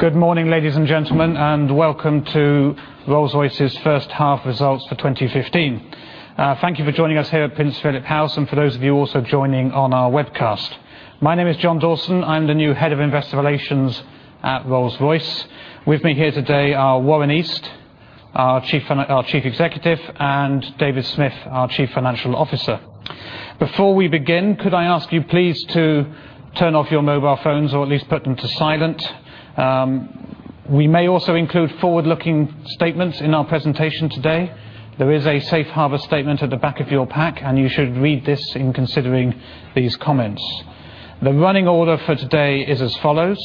Good morning, ladies and gentlemen. Welcome to Rolls-Royce's first half results for 2015. Thank you for joining us here at Prince Philip House. For those of you also joining on our webcast, my name is John Dawson. I am the new Head of Investor Relations at Rolls-Royce. With me here today are Warren East, our Chief Executive, and David Smith, our Chief Financial Officer. Before we begin, could I ask you please to turn off your mobile phones or at least put them to silent? We may also include forward-looking statements in our presentation today. There is a safe harbor statement at the back of your pack. You should read this in considering these comments. The running order for today is as follows.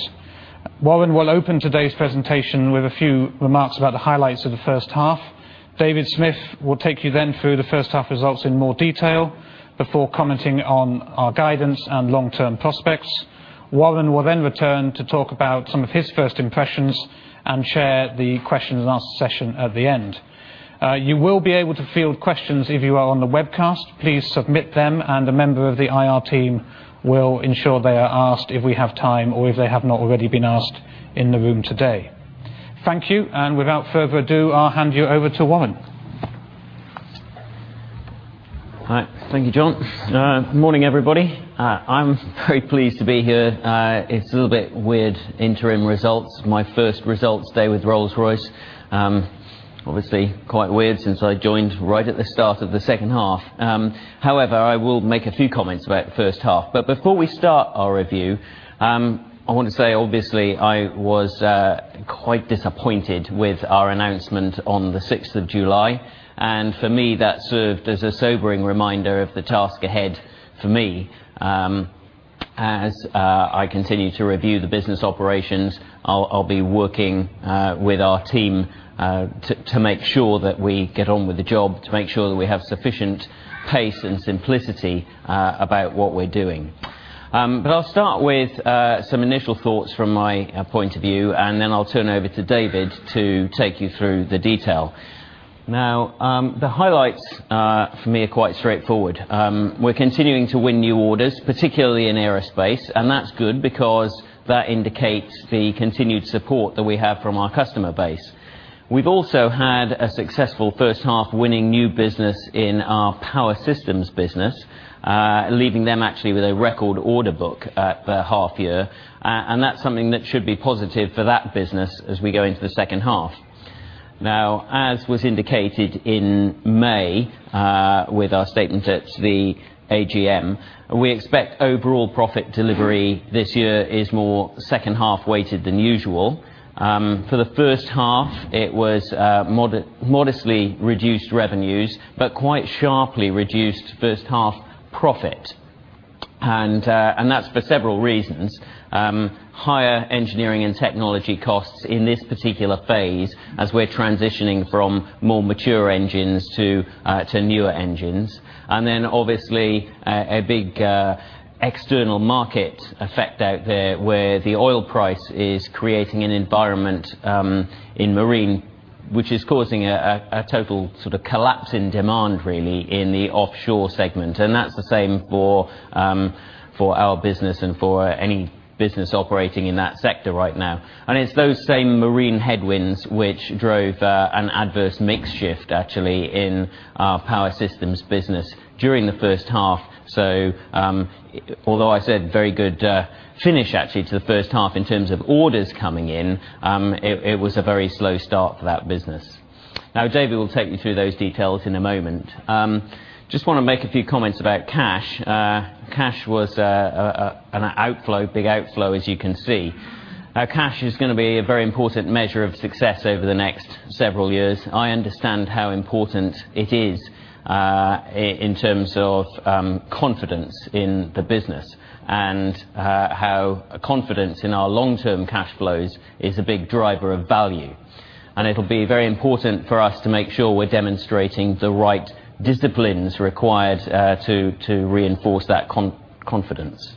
Warren will open today's presentation with a few remarks about the highlights of the first half. David Smith will take you then through the first half results in more detail before commenting on our guidance and long-term prospects. Warren will then return to talk about some of his first impressions and chair the question and answer session at the end. You will be able to field questions if you are on the webcast. Please submit them, and a member of the IR team will ensure they are asked if we have time, or if they have not already been asked in the room today. Thank you. Without further ado, I will hand you over to Warren. All right. Thank you, John. Morning, everybody. I am very pleased to be here. It is a little bit weird, interim results, my first results day with Rolls-Royce. Obviously, quite weird since I joined right at the start of the second half. However, I will make a few comments about the first half. Before we start our review, I want to say, obviously, I was quite disappointed with our announcement on the 6th of July. For me, that served as a sobering reminder of the task ahead for me. As I continue to review the business operations, I will be working with our team to make sure that we get on with the job, to make sure that we have sufficient pace and simplicity about what we are doing. I will start with some initial thoughts from my point of view. Then I will turn over to David to take you through the detail. The highlights for me are quite straightforward. We are continuing to win new orders, particularly in aerospace. That is good because that indicates the continued support that we have from our customer base. We have also had a successful first half winning new business in our Power Systems business, leaving them actually with a record order book at the half year. That is something that should be positive for that business as we go into the second half. As was indicated in May, with our statement at the AGM, we expect overall profit delivery this year is more second half-weighted than usual. For the first half, it was modestly reduced revenues, but quite sharply reduced first half profit. That is for several reasons. Higher engineering and technology costs in this particular phase as we're transitioning from more mature engines to newer engines. Obviously, a big external market effect out there where the oil price is creating an environment in marine, which is causing a total sort of collapse in demand, really, in the offshore segment. That's the same for our business and for any business operating in that sector right now. It's those same marine headwinds which drove an adverse mix shift, actually, in our Power Systems business during the first half. Although I said very good finish, actually, to the first half in terms of orders coming in, it was a very slow start for that business. David will take you through those details in a moment. Just want to make a few comments about cash. Cash was a big outflow, as you can see. Cash is going to be a very important measure of success over the next several years. I understand how important it is in terms of confidence in the business and how confidence in our long-term cash flows is a big driver of value. It'll be very important for us to make sure we're demonstrating the right disciplines required to reinforce that confidence.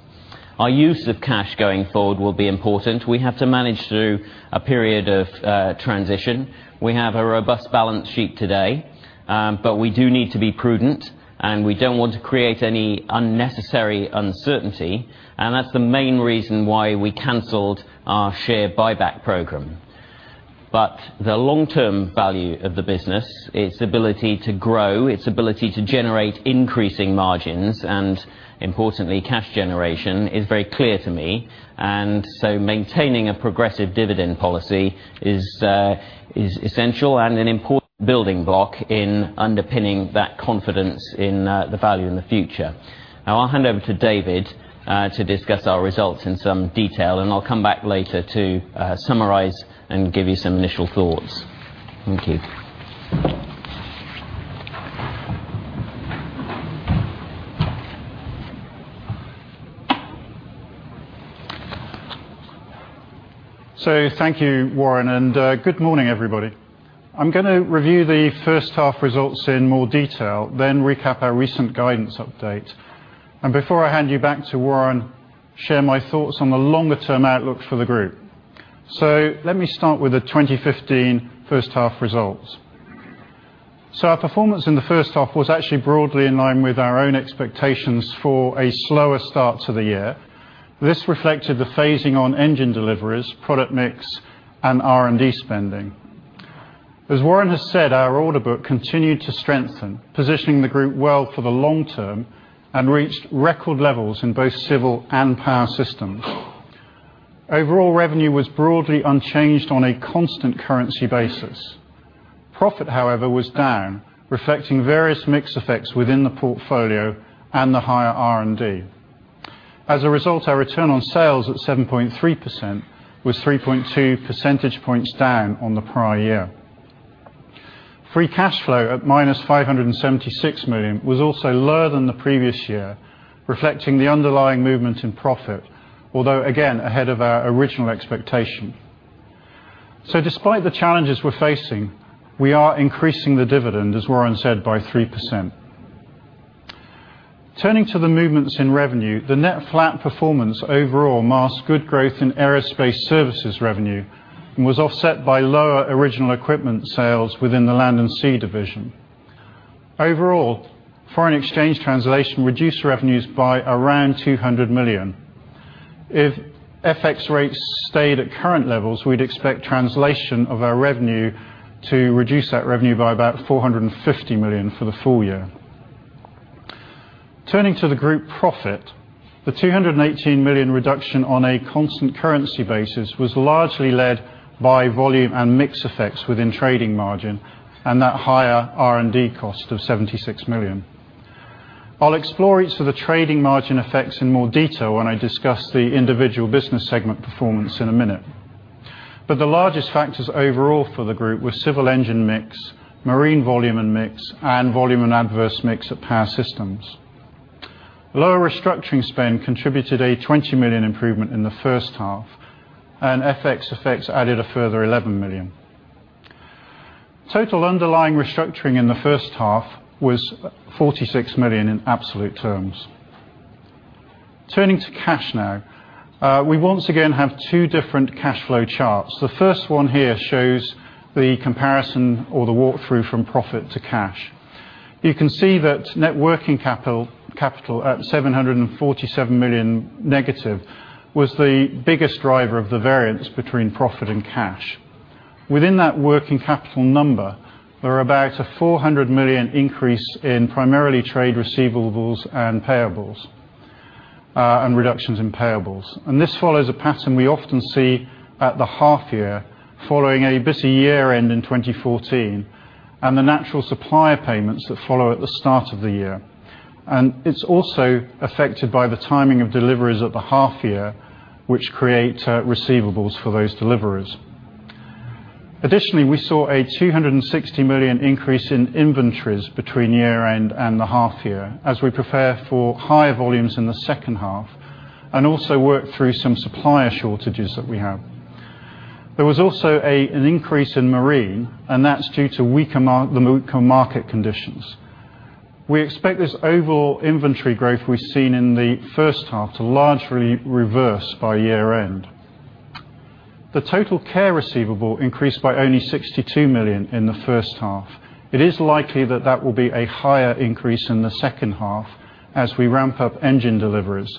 Our use of cash going forward will be important. We have to manage through a period of transition. We have a robust balance sheet today. We do need to be prudent, and we don't want to create any unnecessary uncertainty, and that's the main reason why we canceled our share buyback program. The long-term value of the business, its ability to grow, its ability to generate increasing margins, and importantly, cash generation, is very clear to me. Maintaining a progressive dividend policy is essential and an important building block in underpinning that confidence in the value in the future. I'll hand over to David to discuss our results in some detail, and I'll come back later to summarize and give you some initial thoughts. Thank you. Thank you, Warren, and good morning, everybody. I'm going to review the first half results in more detail, then recap our recent guidance update. Before I hand you back to Warren, share my thoughts on the longer-term outlook for the group. Let me start with the 2015 first half results. Our performance in the first half was actually broadly in line with our own expectations for a slower start to the year. This reflected the phasing on engine deliveries, product mix, and R&D spending. As Warren has said, our order book continued to strengthen, positioning the group well for the long term, and reached record levels in both Civil Aerospace and Power Systems. Overall revenue was broadly unchanged on a constant currency basis. Profit, however, was down, reflecting various mix effects within the portfolio and the higher R&D. As a result, our return on sales at 7.3% was 3.2 percentage points down on the prior year. Free cash flow at minus 576 million was also lower than the previous year, reflecting the underlying movement in profit, although again ahead of our original expectation. Despite the challenges we're facing, we are increasing the dividend, as Warren East said, by 3%. Turning to the movements in revenue, the net flat performance overall masks good growth in aerospace services revenue and was offset by lower original equipment sales within the Land & Sea division. Overall, foreign exchange translation reduced revenues by around 200 million. If FX rates stayed at current levels, we'd expect translation of our revenue to reduce that revenue by about 450 million for the full year. Turning to the group profit, the 218 million reduction on a constant currency basis was largely led by volume and mix effects within trading margin and that higher R&D cost of 76 million. I'll explore each of the trading margin effects in more detail when I discuss the individual business segment performance in a minute. But the largest factors overall for the group were civil engine mix, marine volume and mix, and volume and adverse mix of Power Systems. Lower restructuring spend contributed a 20 million improvement in the first half, and FX effects added a further 11 million. Total underlying restructuring in the first half was 46 million in absolute terms. Turning to cash now. We once again have two different cash flow charts. The first one here shows the comparison or the walkthrough from profit to cash. You can see that net working capital at 747 million negative was the biggest driver of the variance between profit and cash. Within that working capital number, there are about a 400 million increase in primarily trade receivables and payables, and reductions in payables. This follows a pattern we often see at the half year following a busy year-end in 2014 and the natural supplier payments that follow at the start of the year. It's also affected by the timing of deliveries at the half year, which create receivables for those deliveries. Additionally, we saw a 260 million increase in inventories between year-end and the half year as we prepare for higher volumes in the second half and also work through some supplier shortages that we have. There was also an increase in marine, and that's due to weaker market conditions. We expect this overall inventory growth we've seen in the first half to largely reverse by year-end. The TotalCare receivable increased by only 62 million in the first half. It is likely that that will be a higher increase in the second half as we ramp up engine deliveries.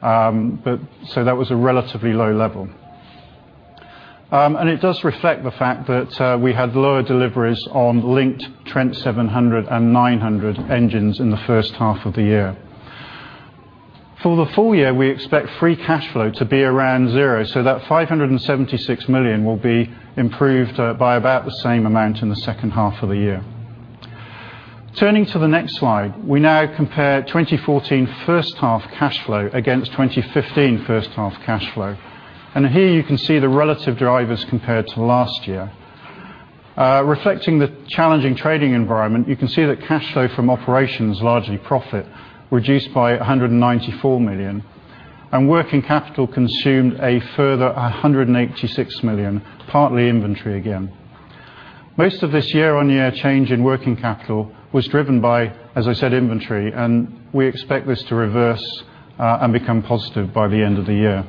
So that was a relatively low level. It does reflect the fact that we had lower deliveries on linked Trent 700 and 900 engines in the first half of the year. For the full year, we expect free cash flow to be around zero, so that 576 million will be improved by about the same amount in the second half of the year. Turning to the next slide, we now compare 2014 first half cash flow against 2015 first half cash flow. Here you can see the relative drivers compared to last year. Reflecting the challenging trading environment, you can see that cash flow from operations, largely profit, reduced by 194 million, and working capital consumed a further 186 million, partly inventory again. Most of this year-on-year change in working capital was driven by, as I said, inventory, and we expect this to reverse and become positive by the end of the year.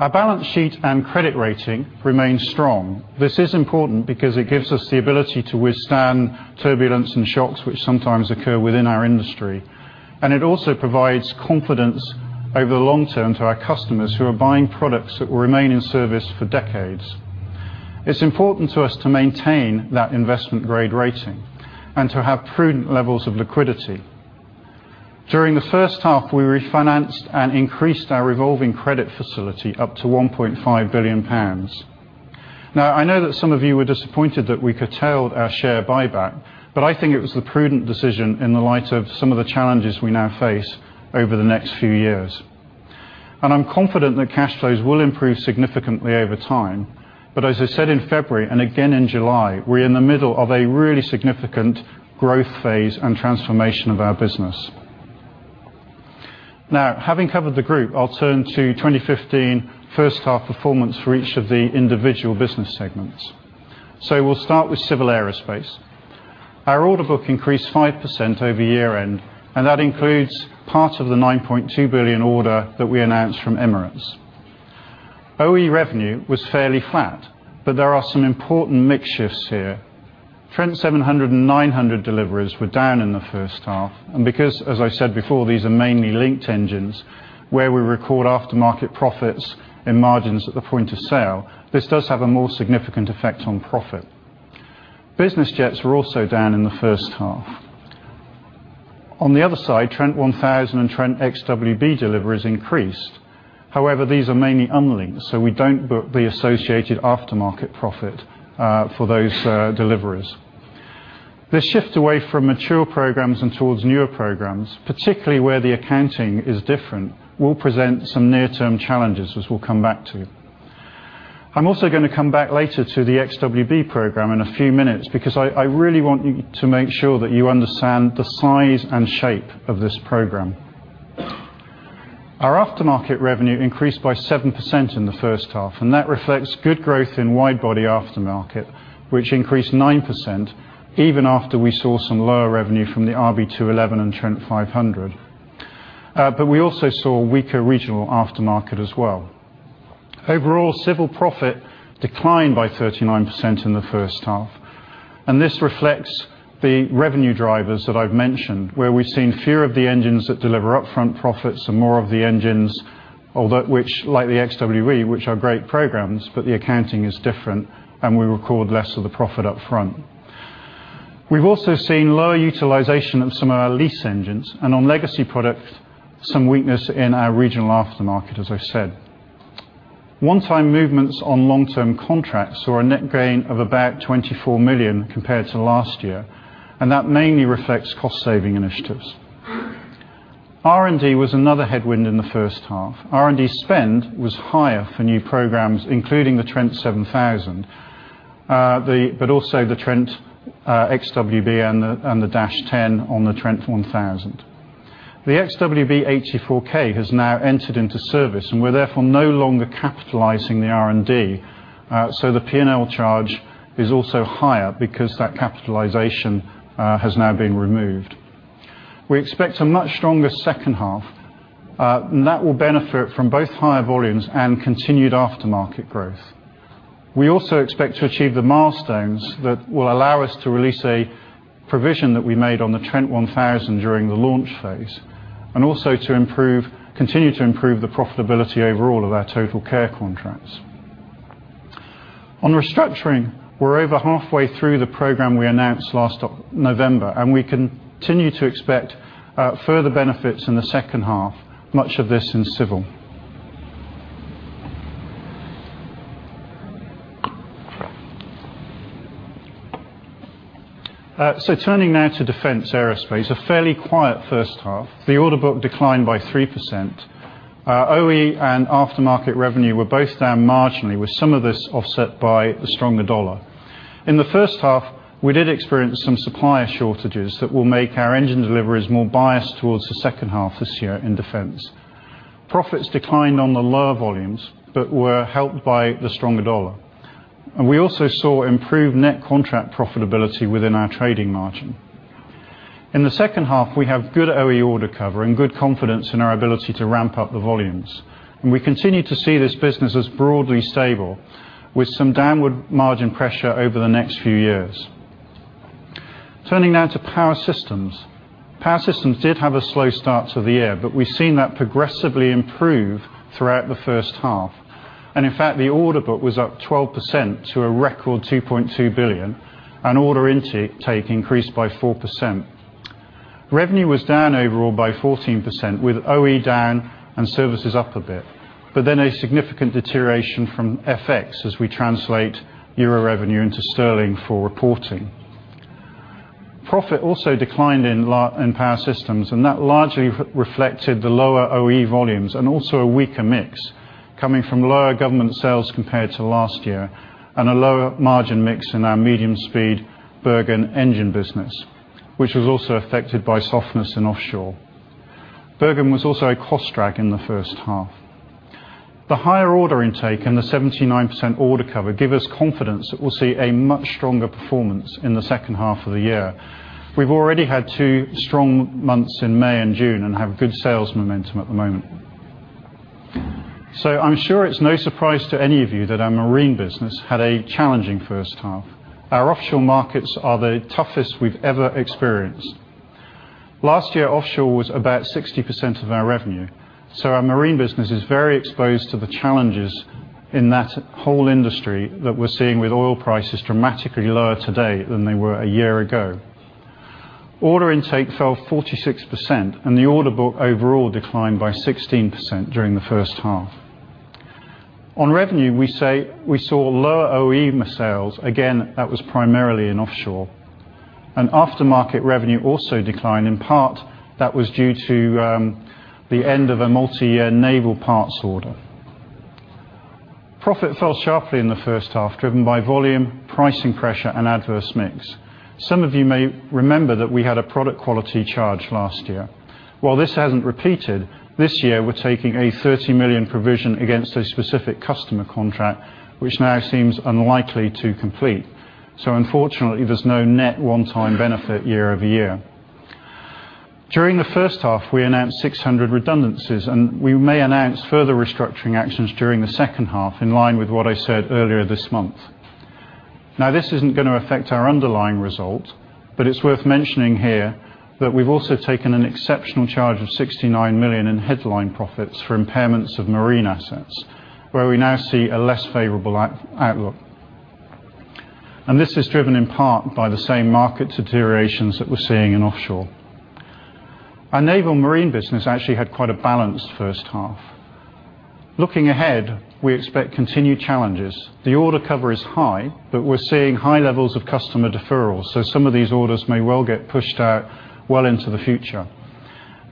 Our balance sheet and credit rating remains strong. This is important because it gives us the ability to withstand turbulence and shocks which sometimes occur within our industry, and it also provides confidence over the long term to our customers who are buying products that will remain in service for decades. It's important to us to maintain that investment grade rating and to have prudent levels of liquidity. During the first half, we refinanced and increased our revolving credit facility up to 1.5 billion pounds. I know that some of you were disappointed that we curtailed our share buyback, but I think it was the prudent decision in the light of some of the challenges we now face over the next few years. I'm confident that cash flows will improve significantly over time. As I said in February and again in July, we're in the middle of a really significant growth phase and transformation of our business. Having covered the group, I'll turn to 2015 first half performance for each of the individual business segments. We'll start with Civil Aerospace. Our order book increased 5% over year-end, and that includes part of the 9.2 billion order that we announced from Emirates. OE revenue was fairly flat, but there are some important mix shifts here. Trent 700 and 900 deliveries were down in the first half and because, as I said before, these are mainly linked engines where we record aftermarket profits and margins at the point of sale, this does have a more significant effect on profit. Business jets were also down in the first half. On the other side, Trent 1000 and Trent XWB deliveries increased. However, these are mainly unlinked, so we don't book the associated aftermarket profit for those deliveries. This shift away from mature programs and towards newer programs, particularly where the accounting is different, will present some near-term challenges, which we'll come back to. I'm also going to come back later to the XWB program in a few minutes because I really want to make sure that you understand the size and shape of this program. Our aftermarket revenue increased by 7% in the first half, and that reflects good growth in wide body aftermarket, which increased 9% even after we saw some lower revenue from the RB211 and Trent 500. We also saw weaker regional aftermarket as well. Overall, Civil profit declined by 39% in the first half, and this reflects the revenue drivers that I've mentioned, where we've seen fewer of the engines that deliver upfront profits and more of the engines, although which, like the XWB, which are great programs, but the accounting is different and we record less of the profit up front. We've also seen lower utilization of some of our lease engines and on legacy products, some weakness in our regional aftermarket, as I said. One-time movements on long-term contracts saw a net gain of about 24 million compared to last year. That mainly reflects cost-saving initiatives. R&D was another headwind in the first half. R&D spend was higher for new programs, including the Trent 7000, but also the Trent XWB and the Dash 10 on the Trent 1000. The XWB-84K has now entered into service, we're therefore no longer capitalizing the R&D. The P&L charge is also higher because that capitalization has now been removed. We expect a much stronger second half, that will benefit from both higher volumes and continued aftermarket growth. We also expect to achieve the milestones that will allow us to release a provision that we made on the Trent 1000 during the launch phase, also to continue to improve the profitability overall of our TotalCare contracts. On restructuring, we're over halfway through the program we announced last November, we continue to expect further benefits in the second half, much of this in civil. Turning now to defense aerospace, a fairly quiet first half. The order book declined by 3%. OE and aftermarket revenue were both down marginally, with some of this offset by the stronger dollar. In the first half, we did experience some supplier shortages that will make our engine deliveries more biased towards the second half this year in defense. Profits declined on the lower volumes but were helped by the stronger dollar. We also saw improved net contract profitability within our trading margin. In the second half, we have good OE order cover and good confidence in our ability to ramp up the volumes. We continue to see this business as broadly stable with some downward margin pressure over the next few years. Turning now to Power Systems. Power Systems did have a slow start to the year, but we've seen that progressively improve throughout the first half. In fact, the order book was up 12% to a record 2.2 billion and order intake increased by 4%. Revenue was down overall by 14% with OE down and services up a bit, but then a significant deterioration from FX as we translate euro revenue into sterling for reporting. Profit also declined in Power Systems, that largely reflected the lower OE volumes and a weaker mix coming from lower government sales compared to last year and a lower margin mix in our medium-speed Bergen Engines business, which was also affected by softness in offshore. Bergen was also a cost drag in the first half. The higher order intake and the 79% order cover give us confidence that we'll see a much stronger performance in the second half of the year. We've already had two strong months in May and June and have good sales momentum at the moment. I'm sure it's no surprise to any of you that our marine business had a challenging first half. Our offshore markets are the toughest we've ever experienced. Last year, offshore was about 60% of our revenue. Our marine business is very exposed to the challenges in that whole industry that we're seeing with oil prices dramatically lower today than they were a year ago. Order intake fell 46% and the order book overall declined by 16% during the first half. On revenue, we saw lower OE sales. Again, that was primarily in offshore. Aftermarket revenue also declined, in part, that was due to the end of a multi-year naval parts order. Profit fell sharply in the first half, driven by volume, pricing pressure and adverse mix. Some of you may remember that we had a product quality charge last year. While this hasn't repeated, this year we're taking a 30 million provision against a specific customer contract, which now seems unlikely to complete. Unfortunately, there's no net one-time benefit year-over-year. During the first half, we announced 600 redundancies, and we may announce further restructuring actions during the second half, in line with what I said earlier this month. This isn't going to affect our underlying result, but it's worth mentioning here that we've also taken an exceptional charge of 69 million in headline profits for impairments of Marine assets, where we now see a less favorable outlook. This is driven in part by the same market deteriorations that we're seeing in Offshore. Our Naval Marine business actually had quite a balanced first half. Looking ahead, we expect continued challenges. The order cover is high, but we're seeing high levels of customer deferrals; some of these orders may well get pushed out well into the future.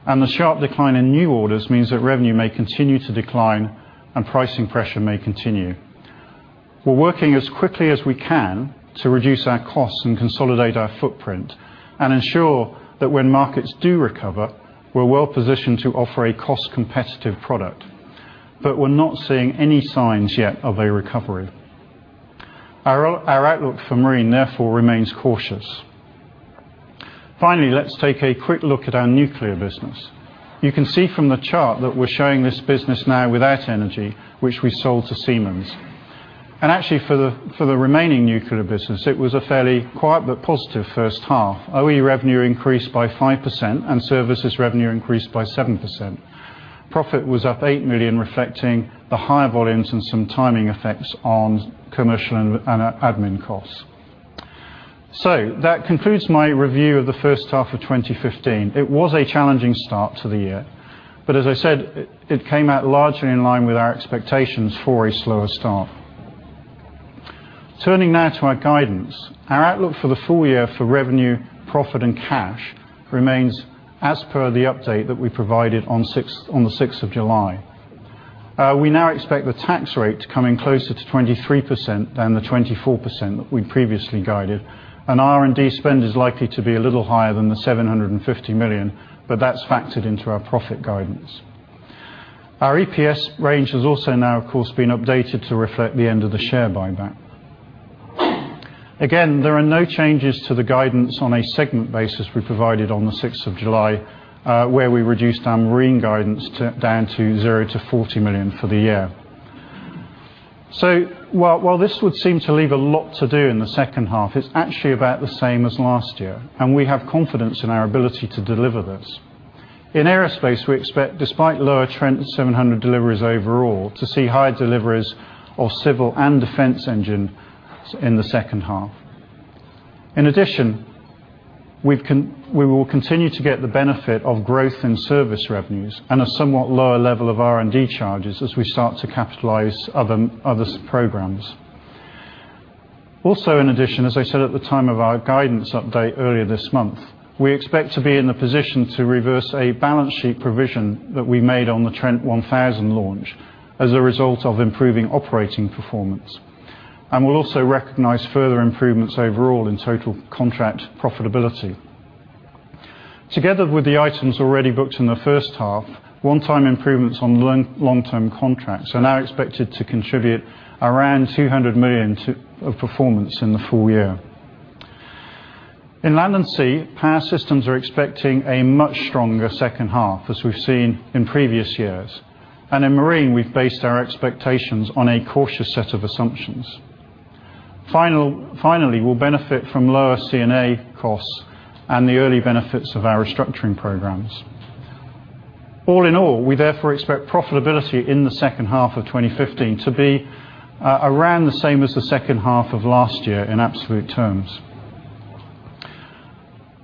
The sharp decline in new orders means that revenue may continue to decline and pricing pressure may continue. We're working as quickly as we can to reduce our costs and consolidate our footprint and ensure that when markets do recover, we're well-positioned to offer a cost-competitive product. We're not seeing any signs yet of a recovery. Our outlook for Marine, therefore, remains cautious. Finally, let's take a quick look at our Nuclear business. You can see from the chart that we're showing this business now without Energy, which we sold to Siemens. Actually, for the remaining Nuclear business, it was a fairly quiet but positive first half. OE revenue increased by 5% and services revenue increased by 7%. Profit was up 8 million, reflecting the higher volumes and some timing effects on commercial and admin costs. That concludes my review of the first half of 2015. It was a challenging start to the year, but as I said, it came out largely in line with our expectations for a slower start. Turning now to our guidance. Our outlook for the full year for revenue, profit, and cash remains as per the update that we provided on the 6th of July. We now expect the tax rate coming closer to 23% than the 24% that we previously guided, and R&D spend is likely to be a little higher than the 750 million, but that's factored into our profit guidance. Our EPS range has also now, of course, been updated to reflect the end of the share buyback. Again, there are no changes to the guidance on a segment basis we provided on the 6th of July, where we reduced our Marine guidance down to 0-40 million for the year. While this would seem to leave a lot to do in the second half, it's actually about the same as last year, and we have confidence in our ability to deliver this. In Aerospace, we expect, despite lower Trent 700 deliveries overall, to see higher deliveries of civil and defense engines in the second half. In addition, we will continue to get the benefit of growth in service revenues and a somewhat lower level of R&D charges as we start to capitalize others' programs. In addition, as I said at the time of our guidance update earlier this month, we expect to be in the position to reverse a balance sheet provision that we made on the Trent 1000 launch as a result of improving operating performance. We'll also recognize further improvements overall in total contract profitability. Together with the items already booked in the first half, one-time improvements on long-term contracts are now expected to contribute around 200 million of performance in the full year. In Land & Sea, Power Systems are expecting a much stronger second half, as we've seen in previous years. In Marine, we've based our expectations on a cautious set of assumptions. Finally, we'll benefit from lower C&A costs and the early benefits of our restructuring programs. All in all, we therefore expect profitability in the second half of 2015 to be around the same as the second half of last year in absolute terms.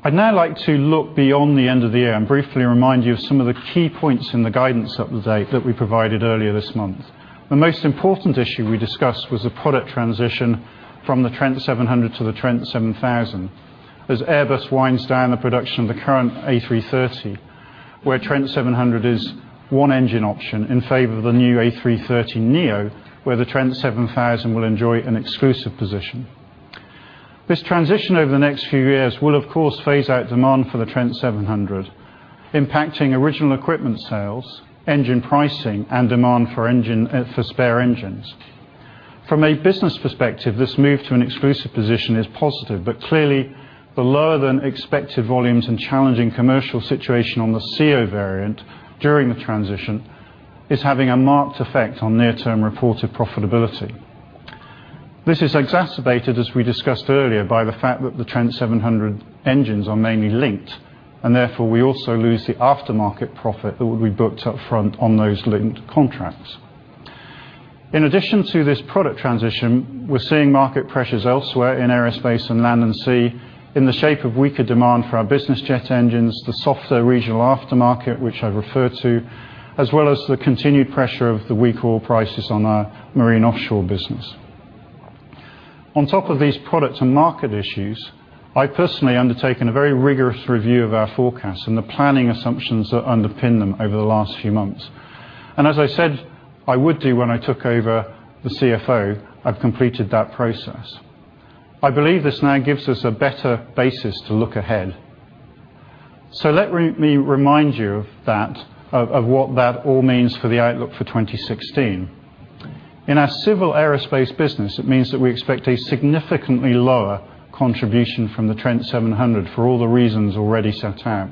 I'd now like to look beyond the end of the year and briefly remind you of some of the key points in the guidance update that we provided earlier this month. The most important issue we discussed was the product transition from the Trent 700 to the Trent 7000, as Airbus winds down the production of the current A330, where Trent 700 is one engine option in favor of the new A330neo, where the Trent 7000 will enjoy an exclusive position. This transition over the next few years will of course phase out demand for the Trent 700, impacting original equipment sales, engine pricing, and demand for spare engines. From a business perspective, this move to an exclusive position is positive, but clearly the lower-than-expected volumes and challenging commercial situation on the CEO variant during the transition is having a marked effect on near-term reported profitability. This is exacerbated, as we discussed earlier, by the fact that the Trent 700 engines are mainly linked, therefore, we also lose the aftermarket profit that would be booked up front on those linked contracts. In addition to this product transition, we're seeing market pressures elsewhere in Aerospace and Land & Sea in the shape of weaker demand for our business jet engines, the softer regional aftermarket, which I referred to, as well as the continued pressure of the weak oil prices on our Marine Offshore business. On top of these products and market issues, I personally have undertaken a very rigorous review of our forecasts and the planning assumptions that underpin them over the last few months. As I said I would do when I took over the CFO, I've completed that process. I believe this now gives us a better basis to look ahead. Let me remind you of what that all means for the outlook for 2016. In our Civil Aerospace business, it means that we expect a significantly lower contribution from the Trent 700 for all the reasons already set out.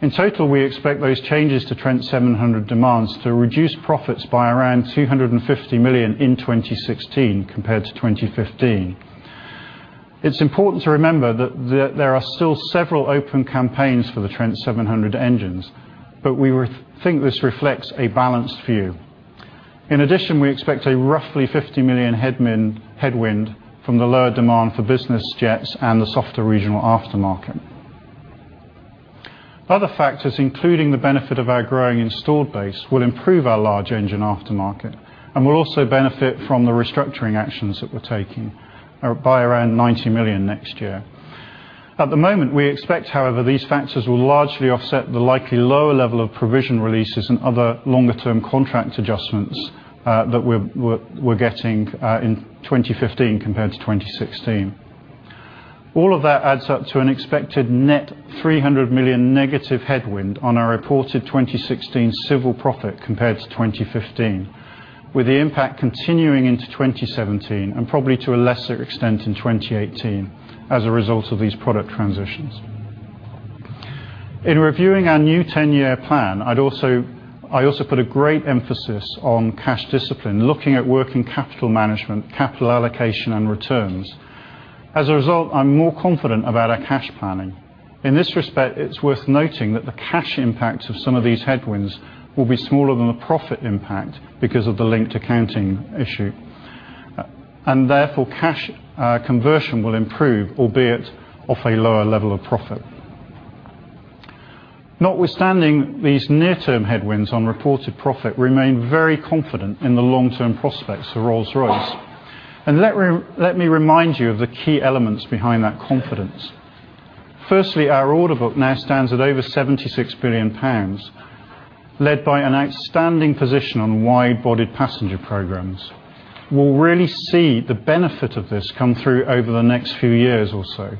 In total, we expect those changes to Trent 700 demands to reduce profits by around 250 million in 2016 compared to 2015. It's important to remember that there are still several open campaigns for the Trent 700 engines, but we think this reflects a balanced view. In addition, we expect a roughly 50 million headwind from the lower demand for business jets and the softer regional aftermarket. Other factors, including the benefit of our growing installed base, will improve our large engine aftermarket and will also benefit from the restructuring actions that we're taking by around 90 million next year. At the moment, we expect, however, these factors will largely offset the likely lower level of provision releases and other longer term contract adjustments that we're getting in 2015 compared to 2016. All of that adds up to an expected net 300 million negative headwind on our reported 2016 civil profit compared to 2015, with the impact continuing into 2017 and probably to a lesser extent in 2018 as a result of these product transitions. In reviewing our new 10-year plan, I also put a great emphasis on cash discipline, looking at working capital management, capital allocation and returns. As a result, I'm more confident about our cash planning. In this respect, it's worth noting that the cash impact of some of these headwinds will be smaller than the profit impact because of the linked accounting issue, and therefore, cash conversion will improve, albeit off a lower level of profit. Notwithstanding these near-term headwinds on reported profit, we remain very confident in the long-term prospects for Rolls-Royce. Let me remind you of the key elements behind that confidence. Firstly, our order book now stands at over 76 billion pounds, led by an outstanding position on wide-body passenger programs. We'll really see the benefit of this come through over the next few years or so.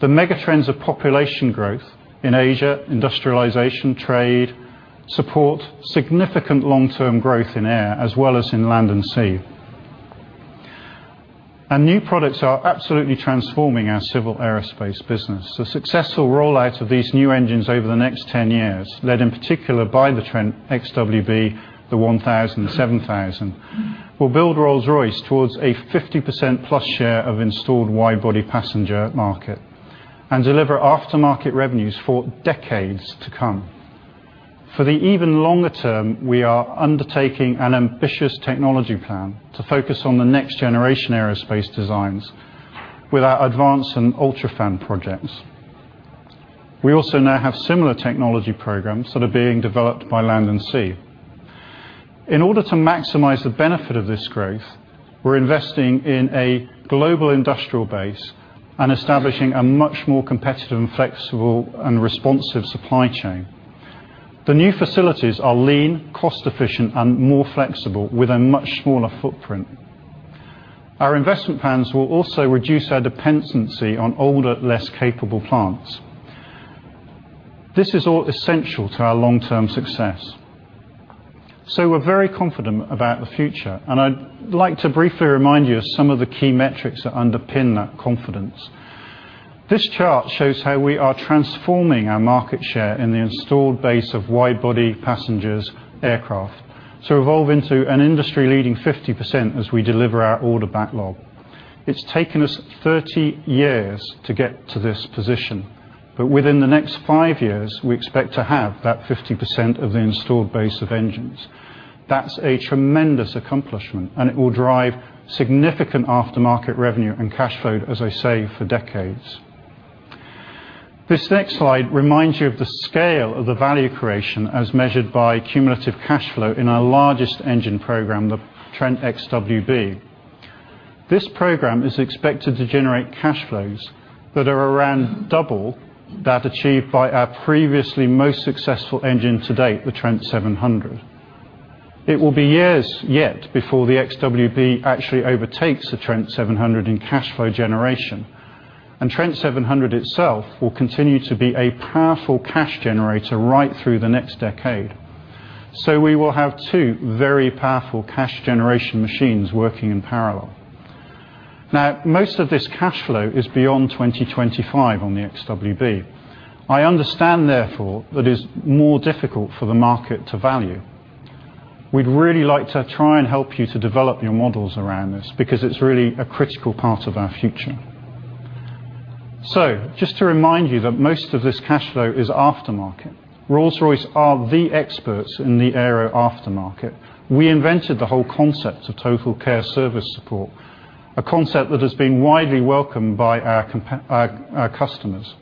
The megatrends of population growth in Asia, industrialization, trade, support significant long-term growth in air as well as in Land & Sea. New products are absolutely transforming our Civil Aerospace business. The successful rollout of these new engines over the next 10 years, led in particular by the Trent XWB, the 1000, the 7000, will build Rolls-Royce towards a 50% plus share of installed wide-body passenger market and deliver aftermarket revenues for decades to come. For the even longer term, we are undertaking an ambitious technology plan to focus on the next generation aerospace designs with our Advance and UltraFan projects. We also now have similar technology programs that are being developed by Land & Sea. In order to maximize the benefit of this growth, we're investing in a global industrial base and establishing a much more competitive and flexible and responsive supply chain. The new facilities are lean, cost efficient and more flexible with a much smaller footprint. Our investment plans will also reduce our dependency on older, less capable plants. This is all essential to our long-term success. So we're very confident about the future, and I'd like to briefly remind you of some of the key metrics that underpin that confidence. This chart shows how we are transforming our market share in the installed base of wide body passengers aircraft to evolve into an industry-leading 50% as we deliver our order backlog. It's taken us 30 years to get to this position, but within the next five years, we expect to have that 50% of the installed base of engines. That's a tremendous accomplishment, and it will drive significant aftermarket revenue and cash flow, as I say, for decades. This next slide reminds you of the scale of the value creation as measured by cumulative cash flow in our largest engine program, the Trent XWB. This program is expected to generate cash flows that are around double that achieved by our previously most successful engine to date, the Trent 700. It will be years yet before the XWB actually overtakes the Trent 700 in cash flow generation, and Trent 700 itself will continue to be a powerful cash generator right through the next decade. We will have two very powerful cash generation machines working in parallel. Most of this cash flow is beyond 2025 on the XWB. I understand, therefore, that is more difficult for the market to value. We'd really like to try and help you to develop your models around this because it's really a critical part of our future. Just to remind you that most of this cash flow is aftermarket. Rolls-Royce are the experts in the aero aftermarket. We invented the whole concept of TotalCare service support, a concept that has been widely welcomed by our customers.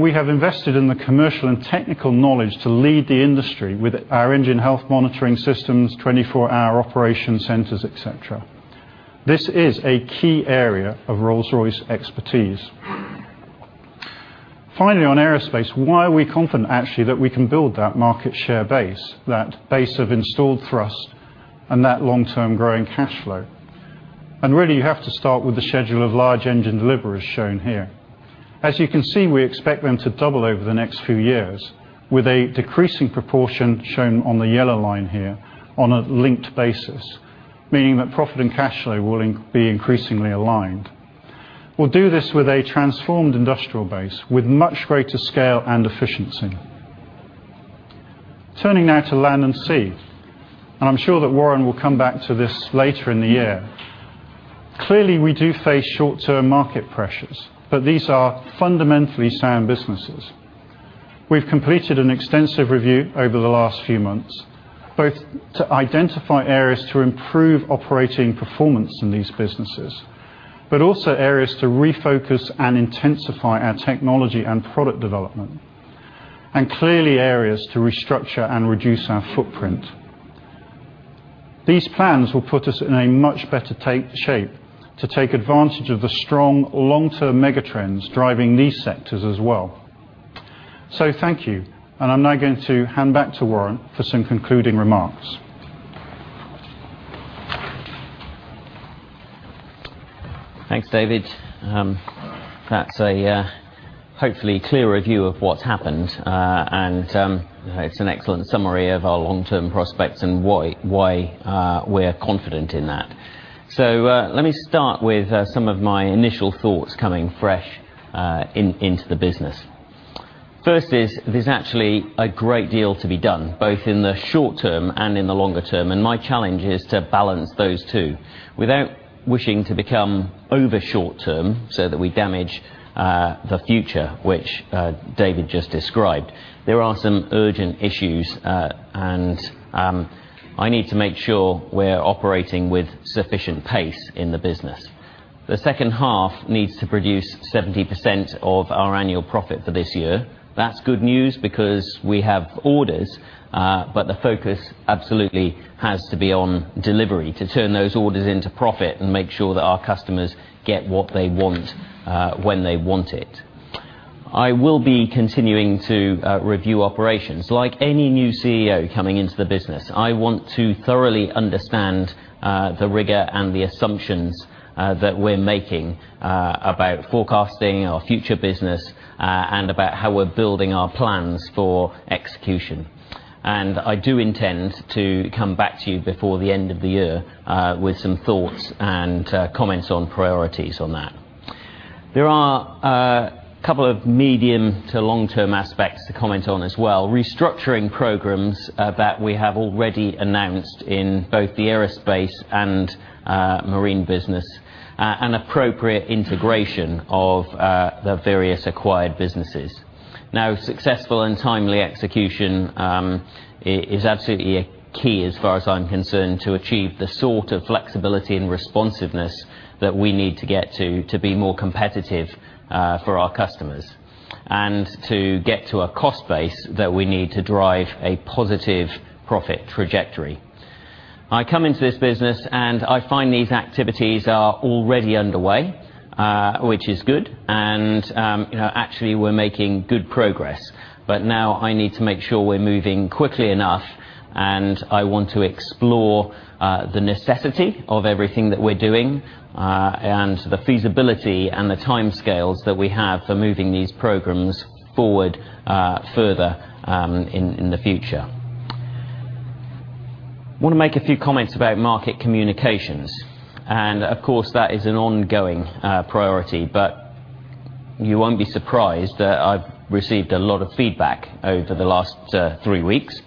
We have invested in the commercial and technical knowledge to lead the industry with our Engine Health Monitoring systems, 24-hour operation centers, et cetera. This is a key area of Rolls-Royce expertise. Finally, on aerospace, why are we confident, actually, that we can build that market share base, that base of installed thrust, and that long-term growing cash flow? Really, you have to start with the schedule of large engine deliveries shown here. As you can see, we expect them to double over the next few years, with a decreasing proportion shown on the yellow line here on a linked basis, meaning that profit and cash flow will be increasingly aligned. We'll do this with a transformed industrial base with much greater scale and efficiency. Turning now to Land and Sea, I'm sure that Warren will come back to this later in the year. Clearly, we do face short-term market pressures. These are fundamentally sound businesses. We've completed an extensive review over the last few months, both to identify areas to improve operating performance in these businesses, but also areas to refocus and intensify our technology and product development, and clearly areas to restructure and reduce our footprint. These plans will put us in a much better shape to take advantage of the strong long-term mega trends driving these sectors as well. Thank you. I'm now going to hand back to Warren for some concluding remarks. Thanks, David. That's a hopefully clear review of what's happened. It's an excellent summary of our long-term prospects and why we're confident in that. Let me start with some of my initial thoughts coming fresh into the business. First is, there's actually a great deal to be done, both in the short term and in the longer term, and my challenge is to balance those two without wishing to become over short term, so that we damage the future, which David just described. There are some urgent issues, and I need to make sure we're operating with sufficient pace in the business. The second half needs to produce 70% of our annual profit for this year. That's good news because we have orders, but the focus absolutely has to be on delivery to turn those orders into profit and make sure that our customers get what they want, when they want it. I will be continuing to review operations. Like any new CEO coming into the business, I want to thoroughly understand the rigor and the assumptions that we're making about forecasting our future business, and about how we're building our plans for execution. I do intend to come back to you before the end of the year with some thoughts and comments on priorities on that. There are a couple of medium to long-term aspects to comment on as well. Restructuring programs that we have already announced in both the Aerospace and marine business, and appropriate integration of the various acquired businesses. Successful and timely execution is absolutely a key as far as I'm concerned, to achieve the sort of flexibility and responsiveness that we need to get to be more competitive for our customers, and to get to a cost base that we need to drive a positive profit trajectory. I come into this business, and I find these activities are already underway, which is good, and actually, we're making good progress. Now I need to make sure we're moving quickly enough, and I want to explore the necessity of everything that we're doing, and the feasibility and the timescales that we have for moving these programs forward further in the future. Want to make a few comments about market communications, and of course, that is an ongoing priority, but you won't be surprised that I've received a lot of feedback over the last three weeks.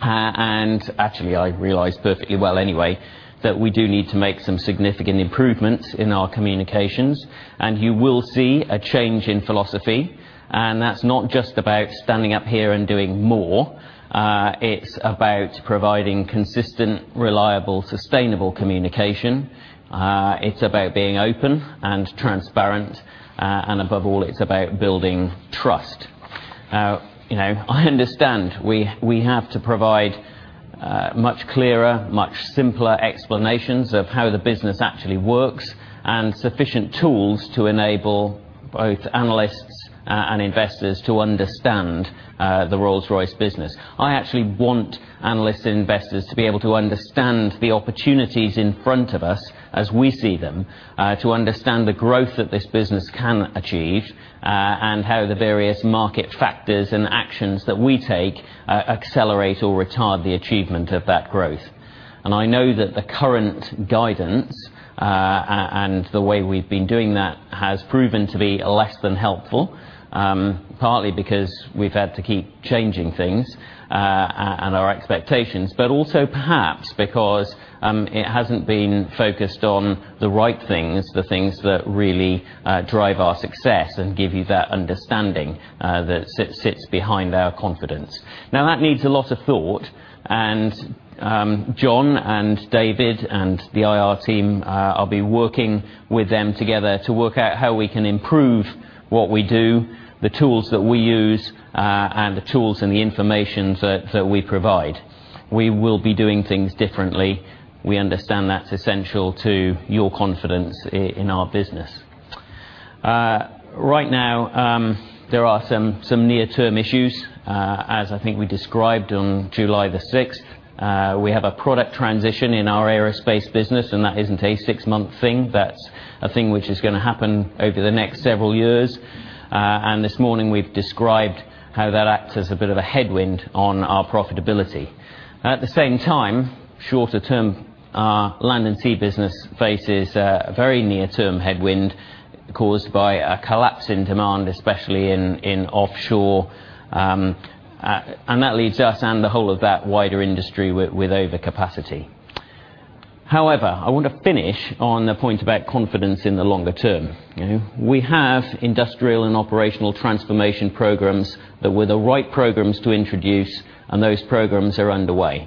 Actually, I realize perfectly well anyway, that we do need to make some significant improvements in our communications. You will see a change in philosophy. That's not just about standing up here and doing more. It's about providing consistent, reliable, sustainable communication. It's about being open and transparent. Above all, it's about building trust. I understand we have to provide much clearer, much simpler explanations of how the business actually works, and sufficient tools to enable both analysts and investors to understand the Rolls-Royce business. I actually want analysts and investors to be able to understand the opportunities in front of us as we see them, to understand the growth that this business can achieve, and how the various market factors and actions that we take accelerate or retard the achievement of that growth. I know that the current guidance, and the way we've been doing that has proven to be less than helpful, partly because we've had to keep changing things and our expectations, but also perhaps because it hasn't been focused on the right things, the things that really drive our success and give you that understanding that sits behind our confidence. That needs a lot of thought, and John and David and the IR team, I'll be working with them together to work out how we can improve what we do, the tools that we use, and the tools and the information that we provide. We will be doing things differently. We understand that's essential to your confidence in our business. Right now, there are some near-term issues, as I think we described on July the 6th. We have a product transition in our aerospace business, and that isn't a six-month thing. That's a thing which is going to happen over the next several years. This morning, we've described how that acts as a bit of a headwind on our profitability. At the same time, shorter term, our Land & Sea business faces a very near-term headwind caused by a collapse in demand, especially in offshore. That leaves us and the whole of that wider industry with overcapacity. However, I want to finish on the point about confidence in the longer term. We have industrial and operational transformation programs that were the right programs to introduce, and those programs are underway.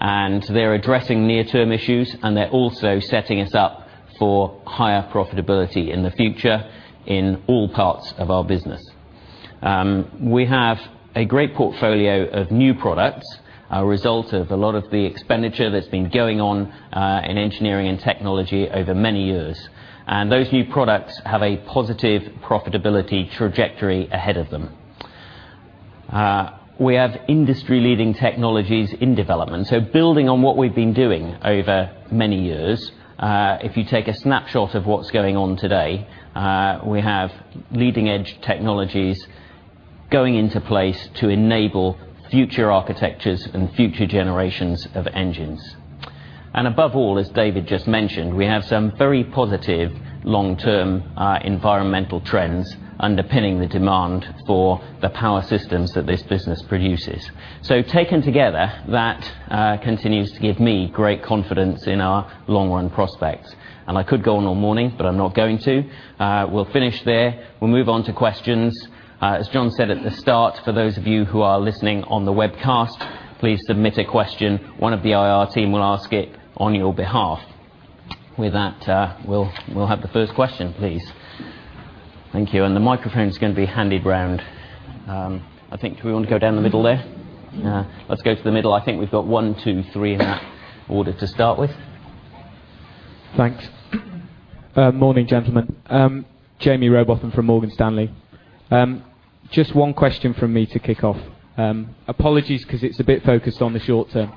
They're addressing near-term issues, and they're also setting us up for higher profitability in the future in all parts of our business. We have a great portfolio of new products, a result of a lot of the expenditure that's been going on in engineering and technology over many years. Those new products have a positive profitability trajectory ahead of them. We have industry-leading technologies in development. Building on what we've been doing over many years, if you take a snapshot of what's going on today, we have leading-edge technologies going into place to enable future architectures and future generations of engines. Above all, as David just mentioned, we have some very positive long-term environmental trends underpinning the demand for the Power Systems that this business produces. Taken together, that continues to give me great confidence in our long-run prospects. I could go on all morning, but I'm not going to. We'll finish there. We'll move on to questions. As John said at the start, for those of you who are listening on the webcast, please submit a question. One of the IR team will ask it on your behalf. With that, we'll have the first question, please. Thank you. The microphone is going to be handed around. I think, do we want to go down the middle there? Let's go to the middle. I think we've got one, two, three in that order to start with. Thanks. Morning, gentlemen. Jaime Rowbotham from Morgan Stanley. Just one question from me to kick off. Apologies because it's a bit focused on the short term.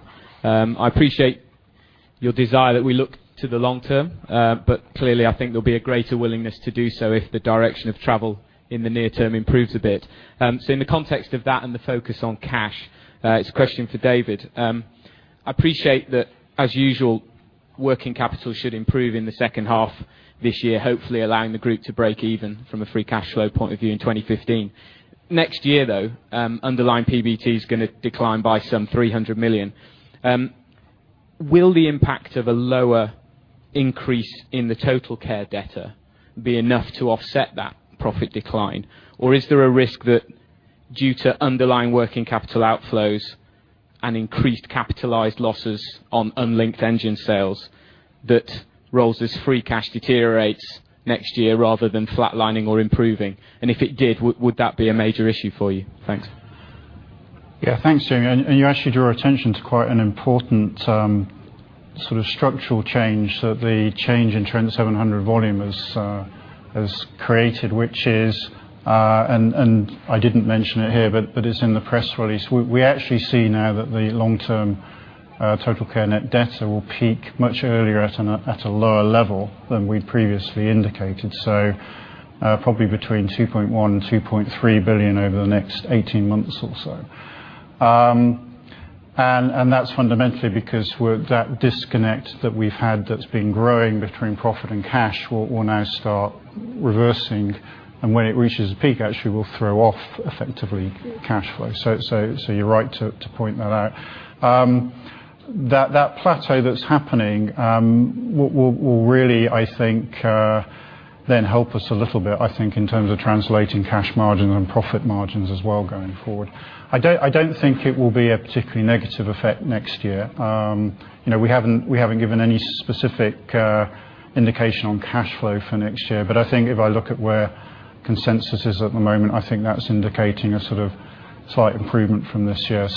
I appreciate your desire that we look to the long term, but clearly, I think there'll be a greater willingness to do so if the direction of travel in the near term improves a bit. In the context of that and the focus on cash, it's a question for David Smith. I appreciate that, as usual, working capital should improve in the second half this year, hopefully allowing the group to break even from a free cash flow point of view in 2015. Next year, though, underlying PBT is going to decline by some 300 million. Will the impact of a lower increase in the TotalCare debtor be enough to offset that profit decline? Is there a risk that due to underlying working capital outflows and increased capitalized losses on unlinked engine sales, that Rolls' free cash deteriorates next year rather than flatlining or improving? If it did, would that be a major issue for you? Thanks. Thanks, Jaime. You actually draw attention to quite an important sort of structural change that the change in Trent 700 volume has created, which is, and I didn't mention it here, but it's in the press release. We actually see now that the long-term TotalCare net debtor will peak much earlier at a lower level than we'd previously indicated. Probably between 2.1 billion-2.3 billion over the next 18 months or so. That's fundamentally because that disconnect that we've had that's been growing between profit and cash will now start reversing. When it reaches a peak, actually will throw off effectively cash flow. You're right to point that out. That plateau that's happening will really, I think, then help us a little bit, I think, in terms of translating cash margin and profit margins as well going forward. I don't think it will be a particularly negative effect next year. We haven't given any specific indication on cash flow for next year, but I think if I look at where consensus is at the moment, I think that's indicating a sort of slight improvement from this year.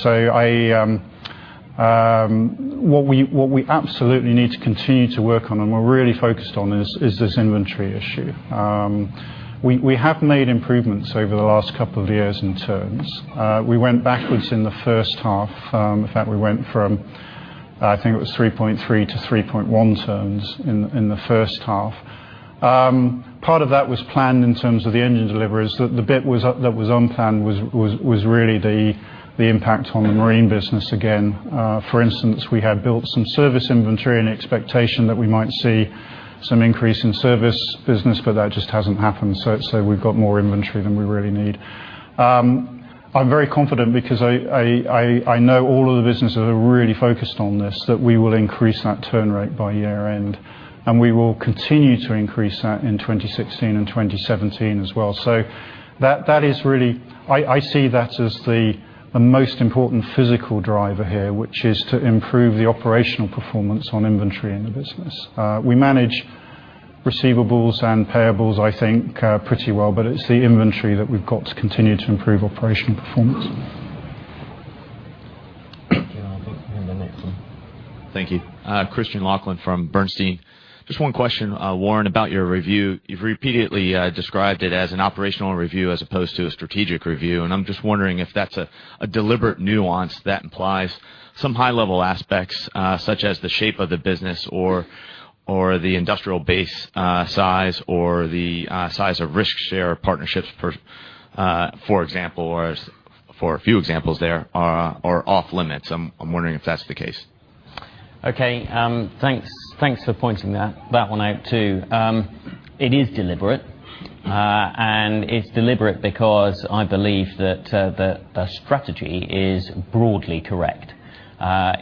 What we absolutely need to continue to work on and we're really focused on is this inventory issue. We have made improvements over the last couple of years in turns. We went backwards in the first half. In fact, we went from, I think it was 3.3-3.1 turns in the first half. Part of that was planned in terms of the engine deliveries. The bit that was unplanned was really the impact on the marine business again. We had built some service inventory and expectation that we might see some increase in service business, but that just hasn't happened. We've got more inventory than we really need. I'm very confident because I know all of the businesses are really focused on this, that we will increase that turn rate by year-end, and we will continue to increase that in 2016 and 2017 as well. I see that as the most important physical driver here which is to improve the operational performance on inventory in the business. We manage receivables and payables I think pretty well, but it's the inventory that we've got to continue to improve operational performance. The next one. Thank you. Christian Laughlin from Bernstein. Just one question, Warren, about your review. You've repeatedly described it as an operational review as opposed to a strategic review, and I'm just wondering if that's a deliberate nuance that implies some high-level aspects, such as the shape of the business or the industrial base size or the size of risk share partnerships, for a few examples there, are off-limits. I'm wondering if that's the case. Okay. Thanks for pointing that one out, too. It is deliberate. It's deliberate because I believe that the strategy is broadly correct.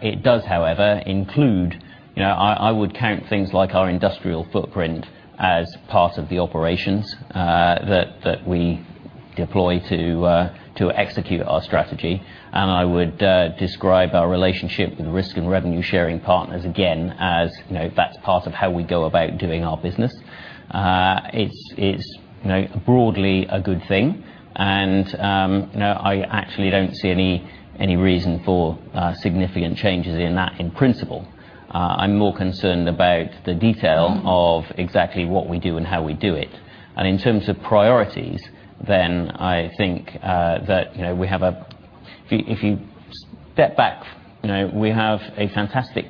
It does, however, include, I would count things like our industrial footprint as part of the operations that we deploy to execute our strategy. I would describe our relationship with risk and revenue-sharing partners, again, as that's part of how we go about doing our business. It's broadly a good thing. I actually don't see any reason for significant changes in that in principle. I'm more concerned about the detail of exactly what we do and how we do it. In terms of priorities, then I think that if you step back, we have a fantastic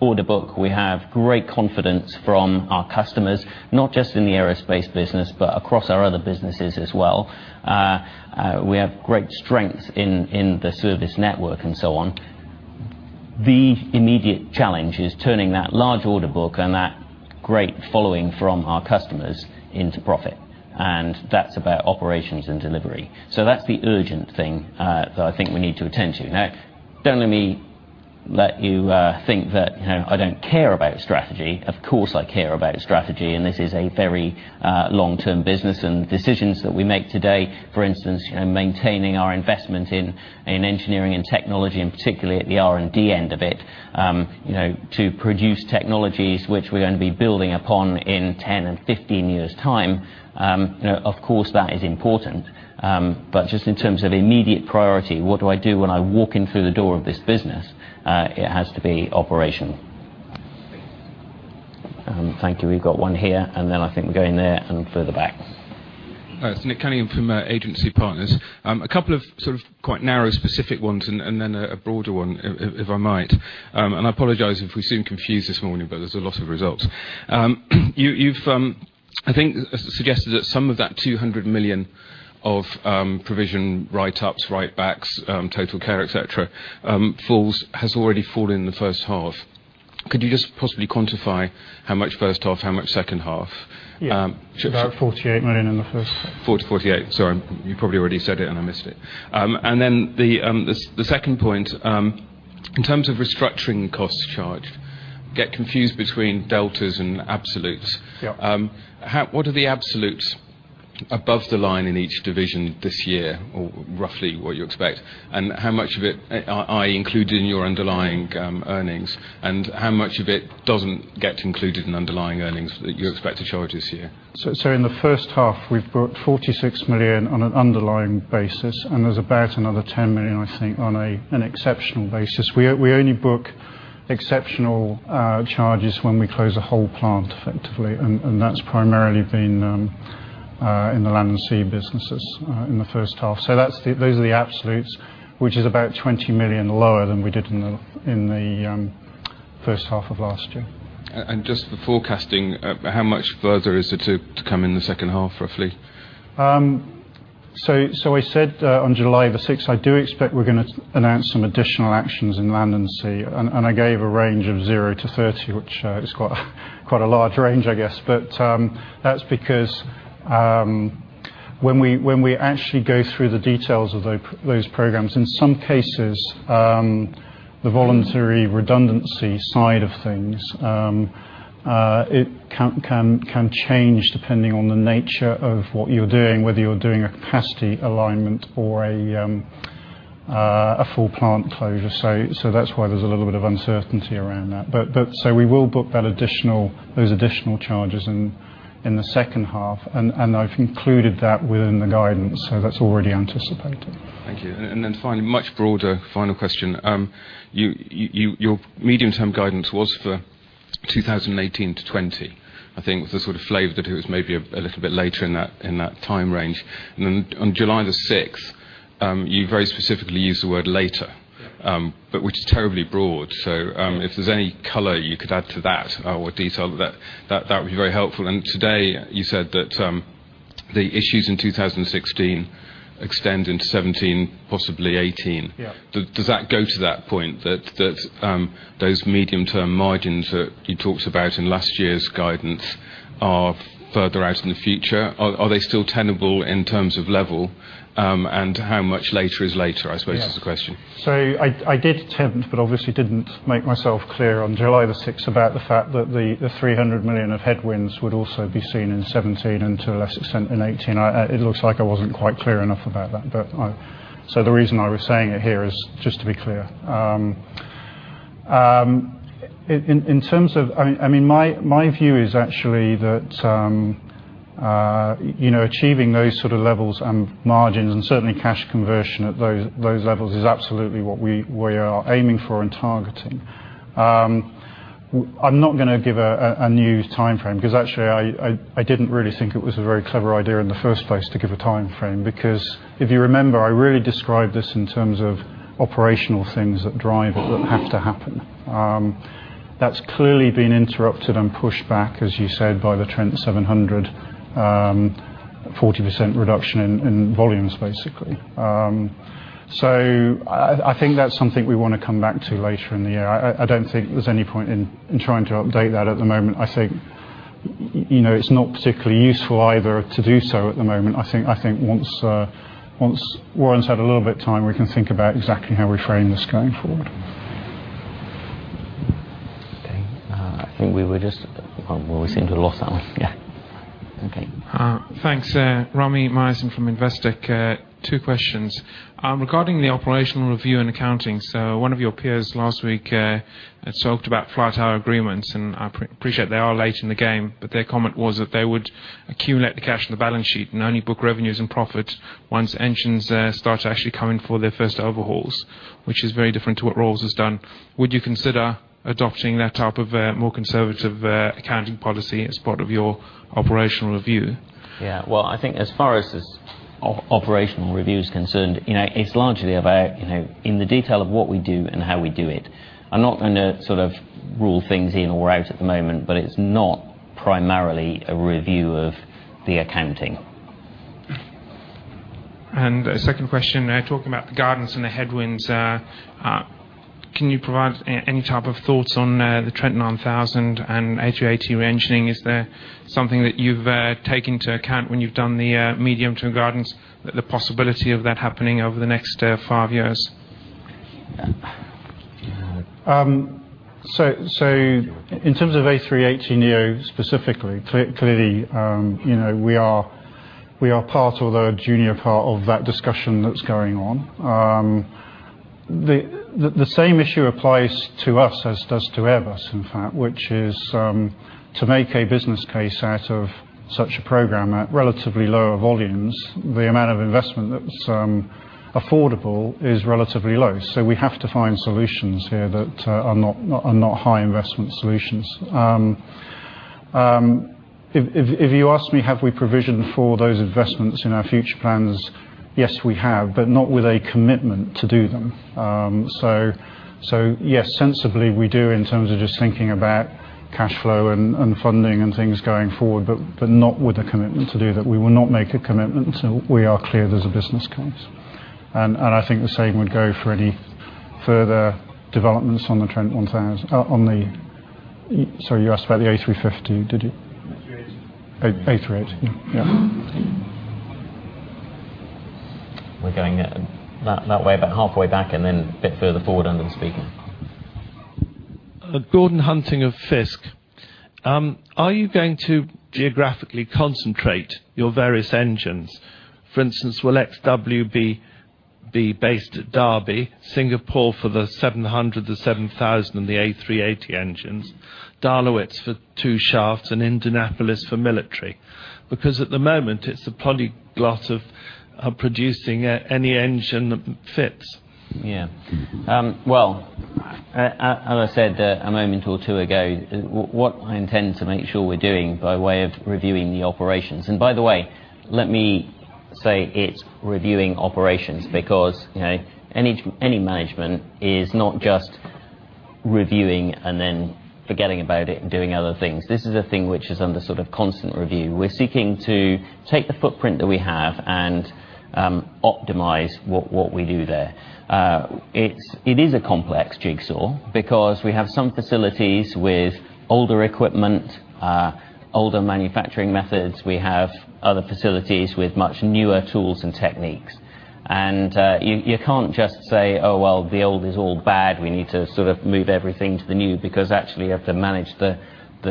order book. We have great confidence from our customers, not just in the aerospace business, but across our other businesses as well. We have great strength in the service network and so on. The immediate challenge is turning that large order book and that great following from our customers into profit, and that's about operations and delivery. That's the urgent thing that I think we need to attend to. Now, don't let me let you think that I don't care about strategy. Of course, I care about strategy. This is a very long-term business. Decisions that we make today, for instance, maintaining our investment in engineering and technology, and particularly at the R&D end of it to produce technologies which we're going to be building upon in 10 and 15 years time, of course, that is important. Just in terms of immediate priority, what do I do when I walk in through the door of this business? It has to be operational. Thank you. We've got one here. Then I think we're going there and further back. It's Nick Cunningham from Agency Partners. A couple of sort of quite narrow specific ones. Then a broader one, if I might. I apologize if we seem confused this morning, there's a lot of results. You, I think, suggested that some of that 200 million of provision write-ups, write-backs, TotalCare, et cetera, has already fallen in the first half. Could you just possibly quantify how much first half, how much second half? Yeah. About 48 million in the first. 48. Sorry. You probably already said it, I missed it. The second point, in terms of restructuring costs charged, get confused between deltas and absolutes. Yeah. What are the absolutes above the line in each division this year, or roughly what you expect? How much of it are included in your underlying earnings, and how much of it doesn't get included in underlying earnings that you expect to charge this year? In the first half, we've put 46 million on an underlying basis, and there's about another 10 million, I think, on an exceptional basis. We only book exceptional charges when we close a whole plant, effectively, and that's primarily been in the Land & Sea businesses in the first half. Those are the absolutes, which is about 20 million lower than we did in the first half of last year. Just for forecasting, how much further is there to come in the second half, roughly? I said on July the 6th, I do expect we're going to announce some additional actions in Land & Sea, and I gave a range of 0 to 30, which is quite a large range, I guess. That's because when we actually go through the details of those programs, in some cases, the voluntary redundancy side of things, it can change depending on the nature of what you're doing, whether you're doing a capacity alignment or a full plant closure. That's why there's a little bit of uncertainty around that. We will book those additional charges in the second half, and I've included that within the guidance, that's already anticipated. Thank you. Finally, much broader final question. Your medium-term guidance was for 2018-2020. I think the sort of flavor that it was maybe a little bit later in that time range. On July the 6th, you very specifically used the word later, which is terribly broad. If there's any color you could add to that or detail that would be very helpful. Today you said that the issues in 2016 extend into 2017, possibly 2018. Yeah. Does that go to that point that those medium-term margins that you talked about in last year's guidance are further out in the future? Are they still tenable in terms of level? How much later is later, I suppose is the question. I did attempt, but obviously didn't make myself clear on July the 6th about the fact that the 300 million of headwinds would also be seen in 2017 and to a lesser extent in 2018. It looks like I wasn't quite clear enough about that. The reason I was saying it here is just to be clear. My view is actually that achieving those sort of levels and margins and certainly cash conversion at those levels is absolutely what we are aiming for and targeting. I'm not going to give a new timeframe because I didn't really think it was a very clever idea in the first place to give a timeframe because if you remember, I really described this in terms of operational things that drive it that have to happen. That's clearly been interrupted and pushed back, as you said, by the Trent 700, 40% reduction in volumes basically. I think that's something we want to come back to later in the year. I don't think there's any point in trying to update that at the moment. I think it's not particularly useful either to do so at the moment. I think once Warren's had a little bit of time, we can think about exactly how we frame this going forward. Okay. I think we were just Well, we seem to have lost that one. Yeah. Okay. Thanks. Rami Myerson from Investec. Two questions. Regarding the operational review and accounting, one of your peers last week had talked about flight hour agreements, and I appreciate they are late in the game, but their comment was that they would accumulate the cash in the balance sheet and only book revenues and profit once engines start actually coming for their first overhauls, which is very different to what Rolls has done. Would you consider adopting that type of more conservative accounting policy as part of your operational review? Yeah. Well, I think as far as this operational review is concerned, it's largely about in the detail of what we do and how we do it. I'm not going to sort of rule things in or out at the moment, but it's not primarily a review of the accounting. A second question, talking about the guidance and the headwinds, can you provide any type of thoughts on the Trent 900 and A380 re-engining? Is there something that you've taken into account when you've done the medium-term guidance, the possibility of that happening over the next five years? In terms of A380neo specifically, clearly we are part of the junior part of that discussion that's going on. The same issue applies to us as does to Airbus, in fact, which is to make a business case out of such a program at relatively lower volumes, the amount of investment that's affordable is relatively low. We have to find solutions here that are not high investment solutions. If you ask me, have we provisioned for those investments in our future plans? Yes, we have, but not with a commitment to do them. Yes, sensibly we do in terms of just thinking about cash flow and funding and things going forward, but not with a commitment to do that. We will not make a commitment until we are clear there's a business case. I think the same would go for any further developments on the Trent 1000. Sorry, you asked about the A350, did you? A380. A380. Yeah. We're going that way about halfway back and then a bit further forward under the speaker. Gordon Hunting of Fiske Plc. Are you going to geographically concentrate your various engines? For instance, will XWB be based at Derby, Singapore for the 700, the 7000, and the A380 engines, Dahlewitz for two shafts, and Indianapolis for military? At the moment it's a polyglot of producing any engine that fits. Well, as I said a moment or two ago, what I intend to make sure we're doing by way of reviewing the operations, and by the way, let me say it's reviewing operations because any management is not just reviewing and then forgetting about it and doing other things. This is a thing which is under sort of constant review. We're seeking to take the footprint that we have and optimize what we do there. It is a complex jigsaw because we have some facilities with older equipment, older manufacturing methods. We have other facilities with much newer tools and techniques. You can't just say, "Oh, well, the old is all bad. We need to sort of move everything to the new," because actually you have to manage the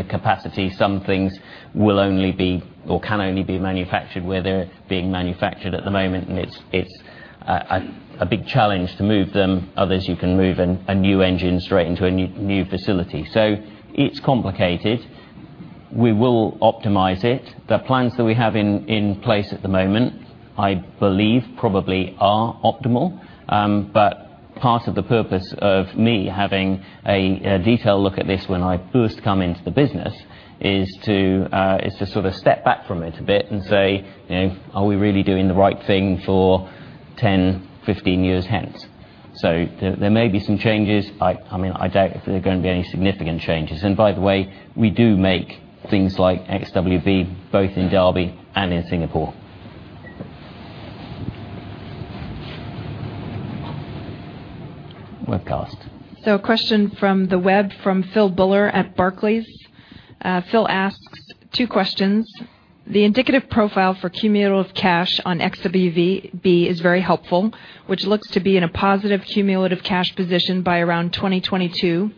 capacity. Some things will only be or can only be manufactured where they're being manufactured at the moment, and it's a big challenge to move them. Others, you can move a new engine straight into a new facility. It's complicated. We will optimize it. The plans that we have in place at the moment, I believe probably are optimal. Part of the purpose of me having a detailed look at this when I first come into the business is to sort of step back from it a bit and say, "Are we really doing the right thing for 10, 15 years hence?" There may be some changes. I doubt if there are going to be any significant changes. By the way, we do make things like XWB both in Derby and in Singapore. Webcast. A question from the web from Phil Buller at Barclays. Phil asks two questions. The indicative profile for cumulative cash on XWB is very helpful, which looks to be in a positive cumulative cash position by around 2022?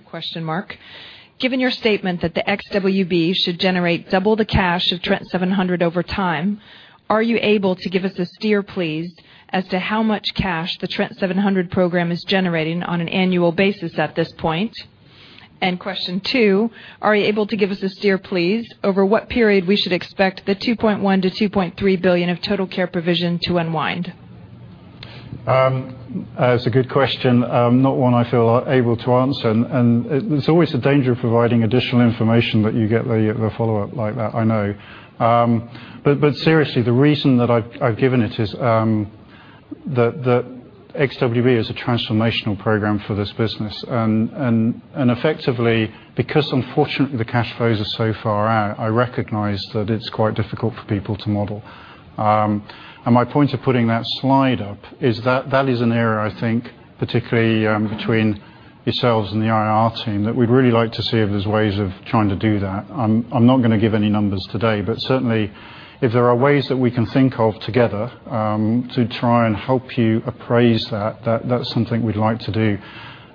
Given your statement that the XWB should generate double the cash of Trent 700 over time, are you able to give us a steer, please, as to how much cash the Trent 700 program is generating on an annual basis at this point? Question two, are you able to give us a steer, please, over what period we should expect the 2.1 billion-2.3 billion of TotalCare provision to unwind? It's a good question. Not one I feel able to answer, there's always a danger of providing additional information that you get the follow-up like that, I know. Seriously, the reason that I've given it is that Trent XWB is a transformational program for this business, effectively, because unfortunately, the cash flows are so far out, I recognize that it's quite difficult for people to model. My point of putting that slide up is that is an area, I think, particularly between yourselves and the IR team, that we'd really like to see if there's ways of trying to do that. I'm not going to give any numbers today, but certainly, if there are ways that we can think of together to try and help you appraise that's something we'd like to do.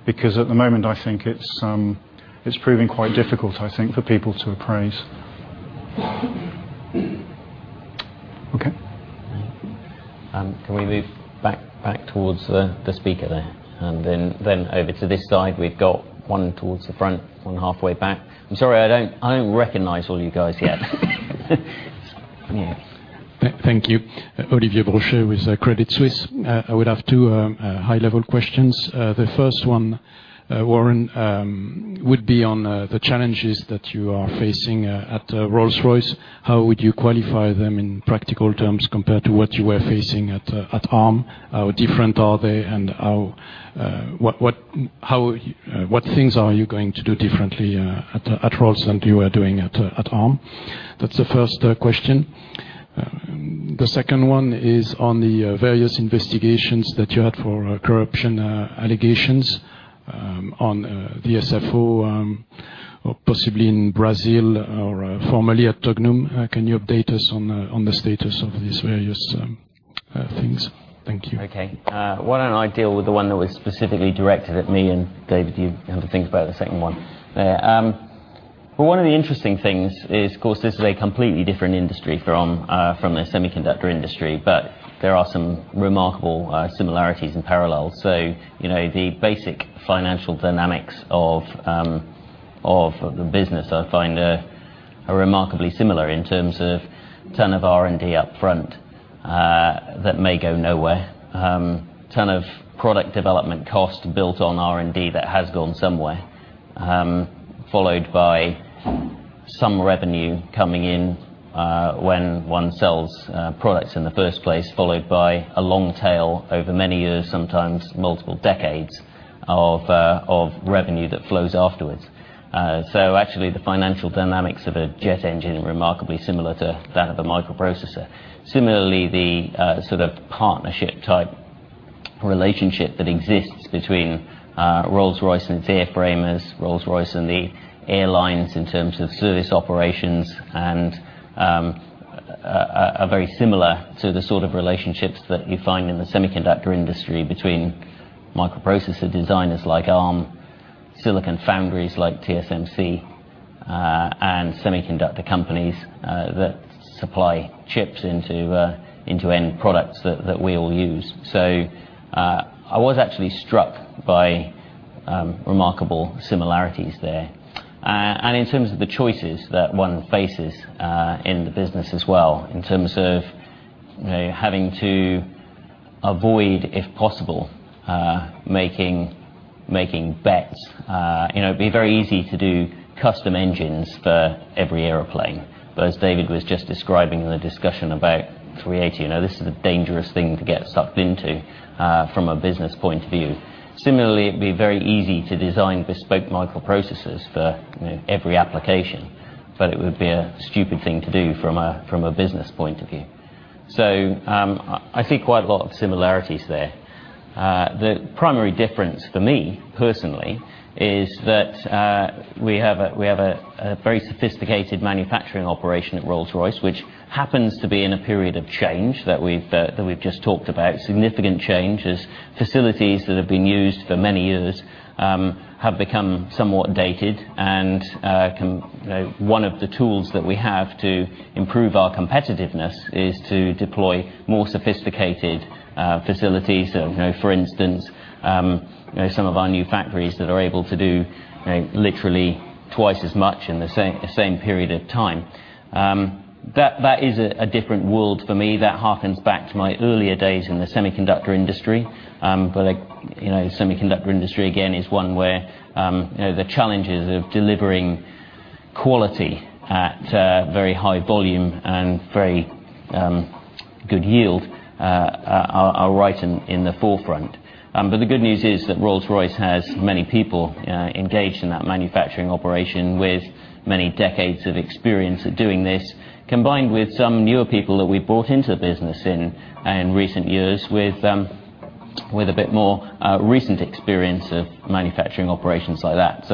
At the moment, I think it's proving quite difficult, I think, for people to appraise. Okay. Can we move back towards the speaker there? Then over to this side, we've got one towards the front, one halfway back. I'm sorry, I don't recognize all you guys yet. Yes. Thank you. Olivier Brochet with Credit Suisse. I would have two high-level questions. The first one, Warren, would be on the challenges that you are facing at Rolls-Royce. How would you qualify them in practical terms compared to what you were facing at Arm? How different are they, and what things are you going to do differently at Rolls than you were doing at Arm? That's the first question. The second one is on the various investigations that you had for corruption allegations on the SFO or possibly in Brazil or formerly at Tognum. Can you update us on the status of these various things? Thank you. Okay. Why don't I deal with the one that was specifically directed at me, and David, you have a think about the second one there. One of the interesting things is, of course, this is a completely different industry from the semiconductor industry, but there are some remarkable similarities and parallels. The basic financial dynamics of the business, I find, are remarkably similar in terms of ton of R&D up front that may go nowhere. Ton of product development cost built on R&D that has gone somewhere, followed by some revenue coming in when one sells products in the first place, followed by a long tail over many years, sometimes multiple decades of revenue that flows afterwards. Actually, the financial dynamics of a jet engine remarkably similar to that of a microprocessor. Similarly, the sort of partnership-type relationship that exists between Rolls-Royce and the airframers, Rolls-Royce and the airlines in terms of service operations and are very similar to the sort of relationships that you find in the semiconductor industry between microprocessor designers like Arm, silicon foundries like TSMC, and semiconductor companies that supply chips into end products that we all use. I was actually struck by remarkable similarities there. In terms of the choices that one faces in the business as well, in terms of having to avoid, if possible, making bets. It'd be very easy to do custom engines for every airplane. As David was just describing in the discussion about 380, this is a dangerous thing to get sucked into from a business point of view. Similarly, it'd be very easy to design bespoke microprocessors for every application, but it would be a stupid thing to do from a business point of view. I see quite a lot of similarities there. The primary difference for me, personally, is that we have a very sophisticated manufacturing operation at Rolls-Royce, which happens to be in a period of change that we've just talked about. Significant change as facilities that have been used for many years have become somewhat dated and one of the tools that we have to improve our competitiveness is to deploy more sophisticated facilities. For instance, some of our new factories that are able to do literally twice as much in the same period of time. That is a different world for me. That harkens back to my earlier days in the semiconductor industry. The semiconductor industry, again, is one where the challenges of delivering quality at very high volume and very good yield are right in the forefront. The good news is that Rolls-Royce has many people engaged in that manufacturing operation with many decades of experience at doing this, combined with some newer people that we brought into the business in recent years with a bit more recent experience of manufacturing operations like that.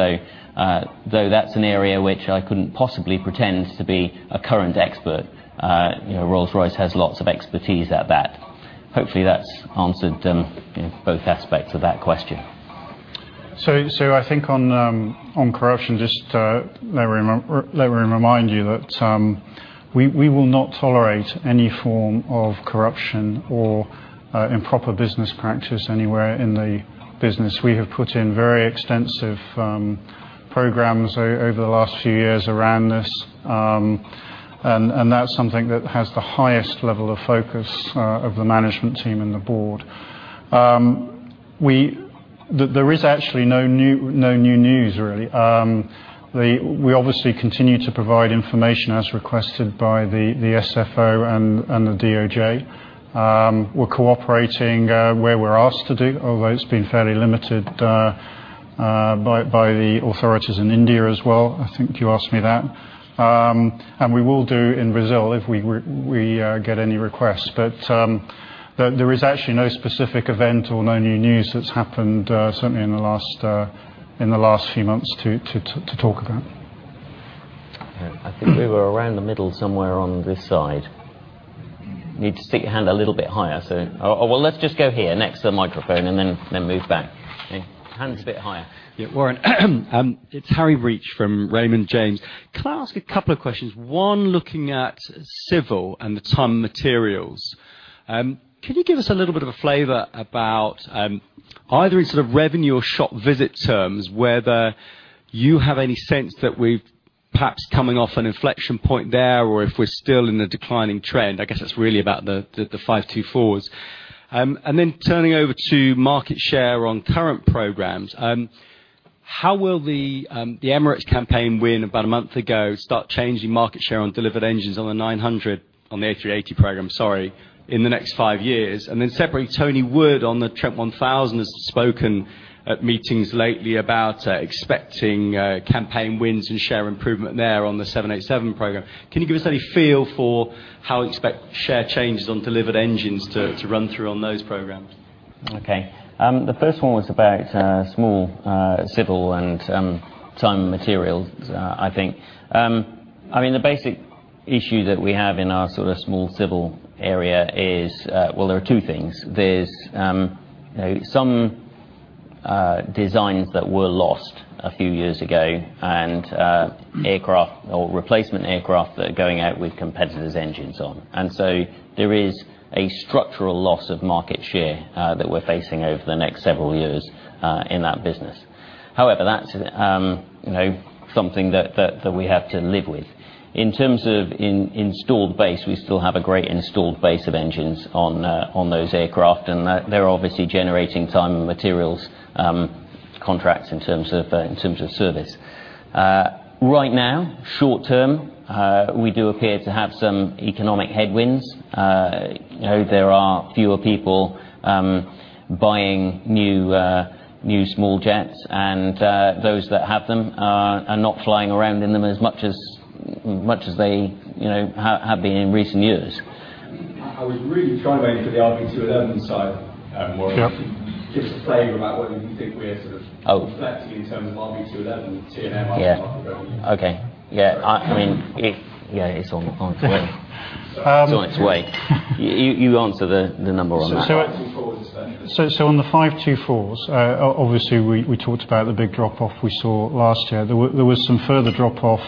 Though that's an area which I couldn't possibly pretend to be a current expert, Rolls-Royce has lots of expertise at that. Hopefully, that's answered both aspects of that question. I think on corruption, just let me remind you that we will not tolerate any form of corruption or improper business practice anywhere in the business. We have put in very extensive programs over the last few years around this, and that's something that has the highest level of focus of the management team and the board. There is actually no new news, really. We obviously continue to provide information as requested by the SFO and the DOJ. We're cooperating where we're asked to do, although it's been fairly limited by the authorities in India as well. I think you asked me that. We will do in Brazil, if we get any requests. There is actually no specific event or no new news that's happened, certainly in the last few months to talk about. I think we were around the middle somewhere on this side. Need to stick your hand a little bit higher. Let's just go here next to the microphone and then move back. Okay. Hand a bit higher. Yeah, Warren. It's Harry Breach from Raymond James. Can I ask a couple of questions? One, looking at Civil and the T&M materials. Can you give us a little bit of a flavor about, either in sort of revenue or shop visit terms, whether you have any sense that we're perhaps coming off an inflection point there, or if we're still in a declining trend? I guess that's really about the 524s. Turning over to market share on current programs. How will the Emirates campaign win about a month ago start changing market share on delivered engines on the 900, on the A380 program, sorry, in the next five years? Separately, Tony Wood on the Trent 1000 has spoken at meetings lately about expecting campaign wins and share improvement there on the 787 program. Can you give us any feel for how you expect share changes on delivered engines to run through on those programs? Okay. The first one was about small civil and T&M materials, I think. The basic issue that we have in our small civil area is well, there are two things. There is some designs that were lost a few years ago, and aircraft or replacement aircraft that are going out with competitors' engines on. There is a structural loss of market share that we are facing over the next several years in that business. However, that is something that we have to live with. In terms of installed base, we still have a great installed base of engines on those aircraft, and they are obviously generating T&M materials contracts in terms of service. Right now, short term, we do appear to have some economic headwinds. There are fewer people buying new small jets, and those that have them are not flying around in them as much as they have been in recent years. I was really trying to aim for the RB211 side, Warren. Yeah. Just a flavor about whether you think we are sort of. Oh reflecting in terms of RB211 T&M. Yeah Okay. Yeah. It's on its way. You answer the number on that. So- 524s. On the 524s, obviously, we talked about the big drop-off we saw last year. There was some further drop-off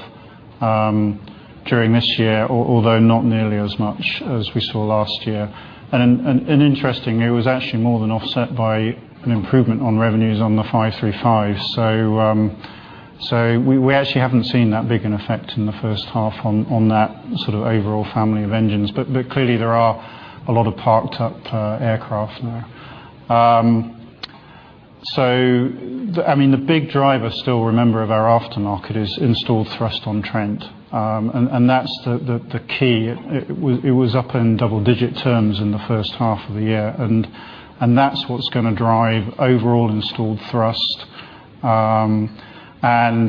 during this year, although not nearly as much as we saw last year. Interestingly, it was actually more than offset by an improvement on revenues on the RB211-535. We actually haven't seen that big an effect in the first half on that sort of overall family of engines. Clearly, there are a lot of parked up aircraft now. The big driver still, remember, of our aftermarket is installed thrust on Trent. That's the key. It was up in double-digit terms in the first half of the year, and that's what's going to drive overall installed thrust, and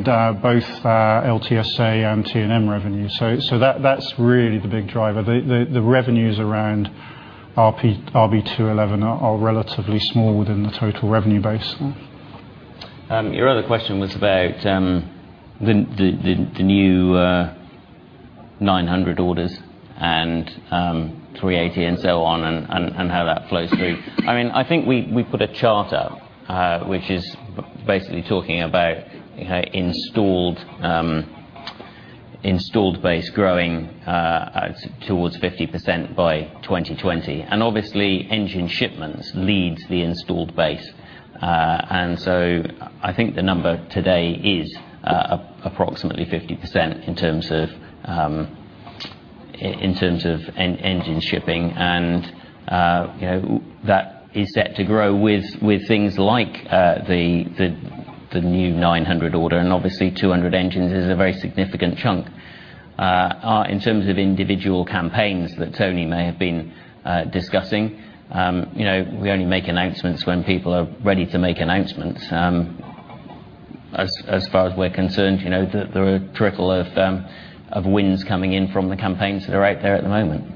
both LTSA and T&M revenue. That's really the big driver. The revenues around RB211 are relatively small within the total revenue base. Your other question was about the new Trent 900 orders and A380 and so on, and how that flows through. I think we put a chart up, which is basically talking about installed base growing towards 50% by 2020. Obviously, engine shipments leads the installed base. So I think the number today is approximately 50% in terms of engine shipping. That is set to grow with things like the new Trent 900 order, and obviously 200 engines is a very significant chunk. In terms of individual campaigns that Tony may have been discussing, we only make announcements when people are ready to make announcements. As far as we're concerned, there are a trickle of wins coming in from the campaigns that are out there at the moment.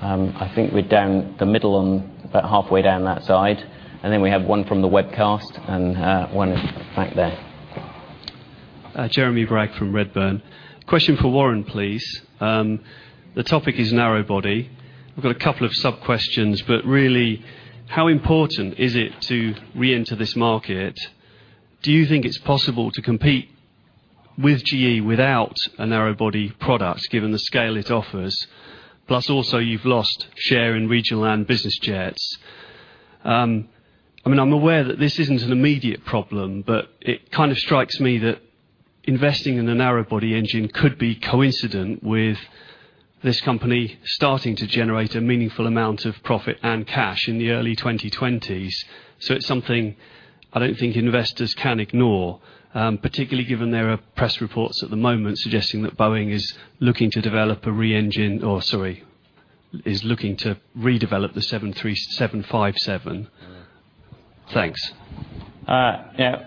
I think we're down the middle, about halfway down that side. We have one from the webcast and one at the back there. Jeremy Bragg from Redburn. Question for Warren, please. The topic is narrow body. I've got a couple of sub-questions, but really, how important is it to reenter this market? Do you think it's possible to compete with GE without a narrow body product, given the scale it offers, plus also you've lost share in regional and business jets. I'm aware that this isn't an immediate problem, but it strikes me that investing in the narrow body engine could be coincident with this company starting to generate a meaningful amount of profit and cash in the early 2020s. It's something I don't think investors can ignore, particularly given there are press reports at the moment suggesting that Boeing is looking to redevelop the 757. Thanks. Yeah.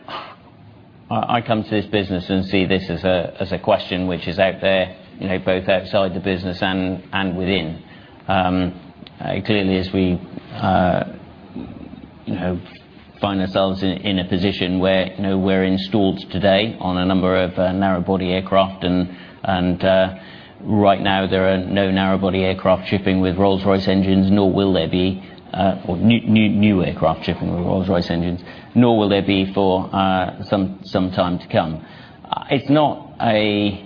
I come to this business and see this as a question which is out there, both outside the business and within. Clearly, as we find ourselves in a position where we're installed today on a number of narrow body aircraft, right now there are no narrow body aircraft shipping with Rolls-Royce engines, nor will there be, new aircraft shipping with Rolls-Royce engines, nor will there be for some time to come. It's not a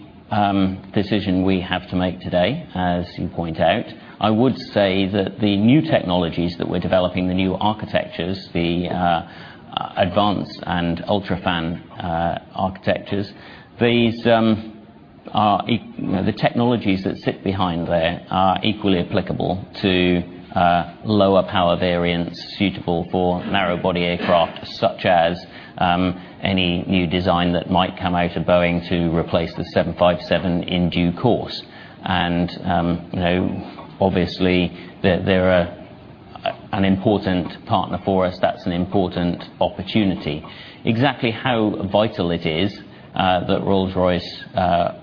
decision we have to make today, as you point out. I would say that the new technologies that we're developing, the new architectures, the advanced and UltraFan architectures, the technologies that sit behind there are equally applicable to lower power variants suitable for narrow body aircraft, such as any new design that might come out of Boeing to replace the 757 in due course. Obviously, they're an important partner for us. That's an important opportunity. Exactly how vital it is that Rolls-Royce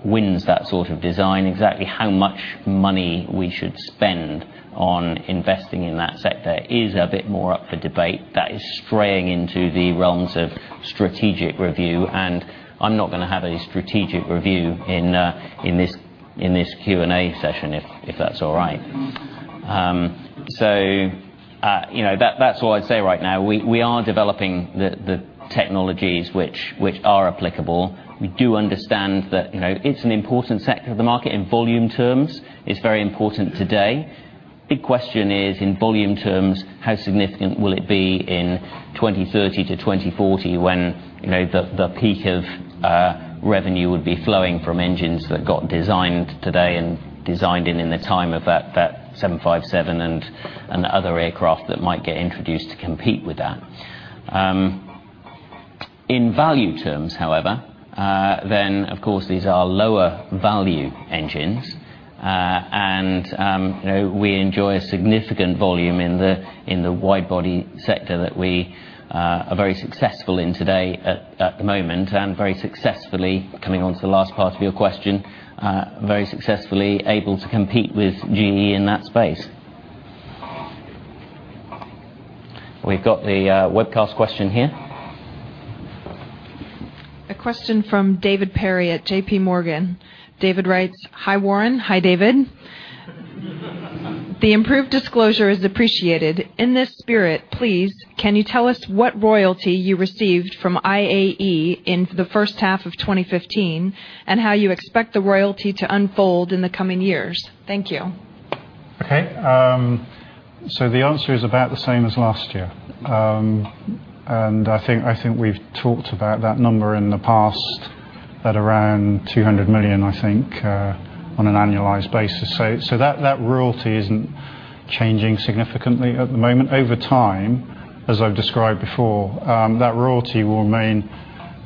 wins that sort of design, exactly how much money we should spend on investing in that sector is a bit more up for debate. That is straying into the realms of strategic review, and I'm not going to have a strategic review in this Q&A session, if that's all right. That's all I'd say right now. We are developing the technologies which are applicable. We do understand that it's an important sector of the market in volume terms. It's very important today. Big question is, in volume terms, how significant will it be in 2030 to 2040 when the peak of revenue would be flowing from engines that got designed today and designed in in the time of that 757 and other aircraft that might get introduced to compete with that. In value terms, however, then, of course, these are lower value engines. We enjoy a significant volume in the wide body sector that we are very successful in today at the moment, and very successfully, coming onto the last part of your question, very successfully able to compete with GE in that space. We've got the webcast question here. A question from David Perry at JPMorgan. David writes, "Hi, Warren." Hi, David. "The improved disclosure is appreciated. In this spirit, please, can you tell us what royalty you received from IAE in the first half of 2015, and how you expect the royalty to unfold in the coming years? Thank you. Okay. The answer is about the same as last year. I think we've talked about that number in the past, at around 200 million, I think, on an annualized basis. That royalty isn't changing significantly at the moment. Over time, as I've described before, that royalty will remain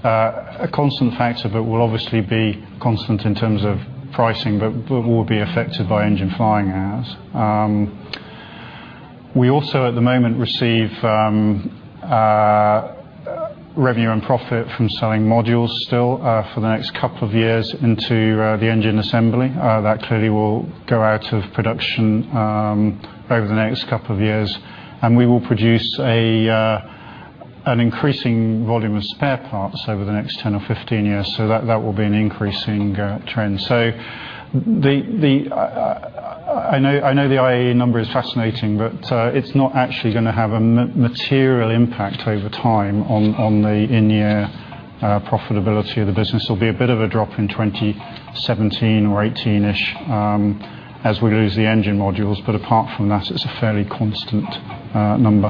a constant factor, but will obviously be constant in terms of pricing but will be affected by engine flying hours. We also, at the moment, receive revenue and profit from selling modules still for the next couple of years into the engine assembly. That clearly will go out of production over the next couple of years, and we will produce an increasing volume of spare parts over the next 10 or 15 years. That will be an increasing trend. I know the IAE number is fascinating, but it's not actually going to have a material impact over time on the in-year profitability of the business. There'll be a bit of a drop in 2017 or 2018-ish as we lose the engine modules, but apart from that, it's a fairly constant number.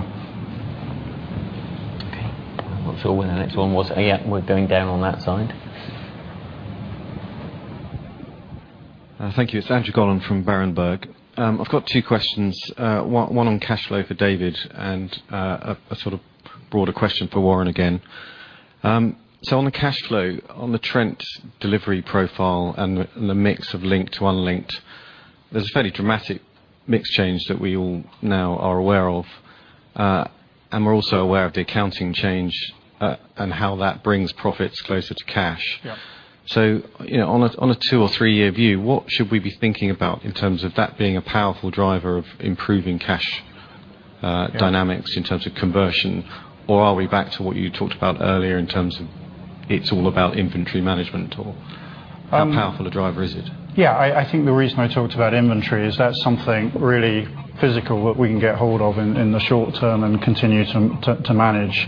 Okay. I'm not sure where the next one was. Yeah, we're going down on that side. Thank you. Andrew Collin from Berenberg. I've got two questions, one on cash flow for David and a sort of broader question for Warren again. On the cash flow, on the Trent delivery profile and the mix of linked to unlinked, there's a fairly dramatic mix change that we all now are aware of. We're also aware of the accounting change, and how that brings profits closer to cash. Yeah. On a two- or three-year view, what should we be thinking about in terms of that being a powerful driver of improving cash dynamics in terms of conversion? Or are we back to what you talked about earlier in terms of it's all about inventory management? How powerful a driver is it? I think the reason I talked about inventory is that's something really physical that we can get hold of in the short term and continue to manage.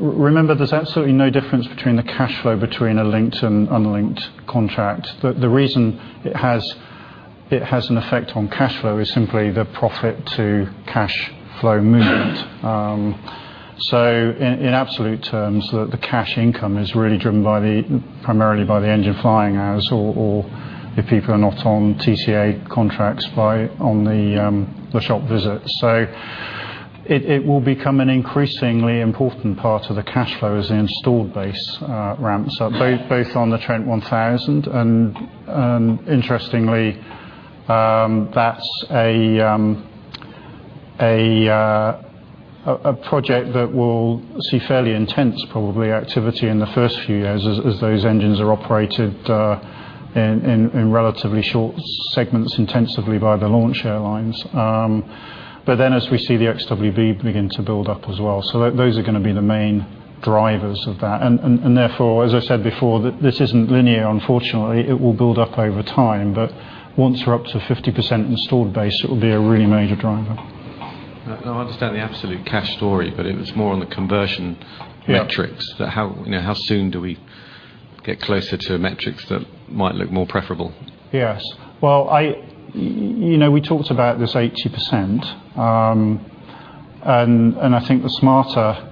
Remember, there's absolutely no difference between the cash flow between a linked and unlinked contract. The reason it has an effect on cash flow is simply the profit to cash flow movement. In absolute terms, the cash income is really driven primarily by the engine flying hours or if people are not on TCA contracts, on the shop visit. It will become an increasingly important part of the cash flow as the installed base ramps up, both on the Trent 1000, and interestingly, that's a project that will see fairly intense, probably, activity in the first few years as those engines are operated in relatively short segments intensively by the launch airlines. As we see the XWB begin to build up as well. Those are going to be the main drivers of that. Therefore, as I said before, this isn't linear, unfortunately. It will build up over time, but once we're up to 50% installed base, it will be a really major driver. No, I understand the absolute cash story, but it was more on the conversion metrics. Yeah. How soon do we get closer to metrics that might look more preferable? Yes. Well, we talked about this 80%. I think the smarter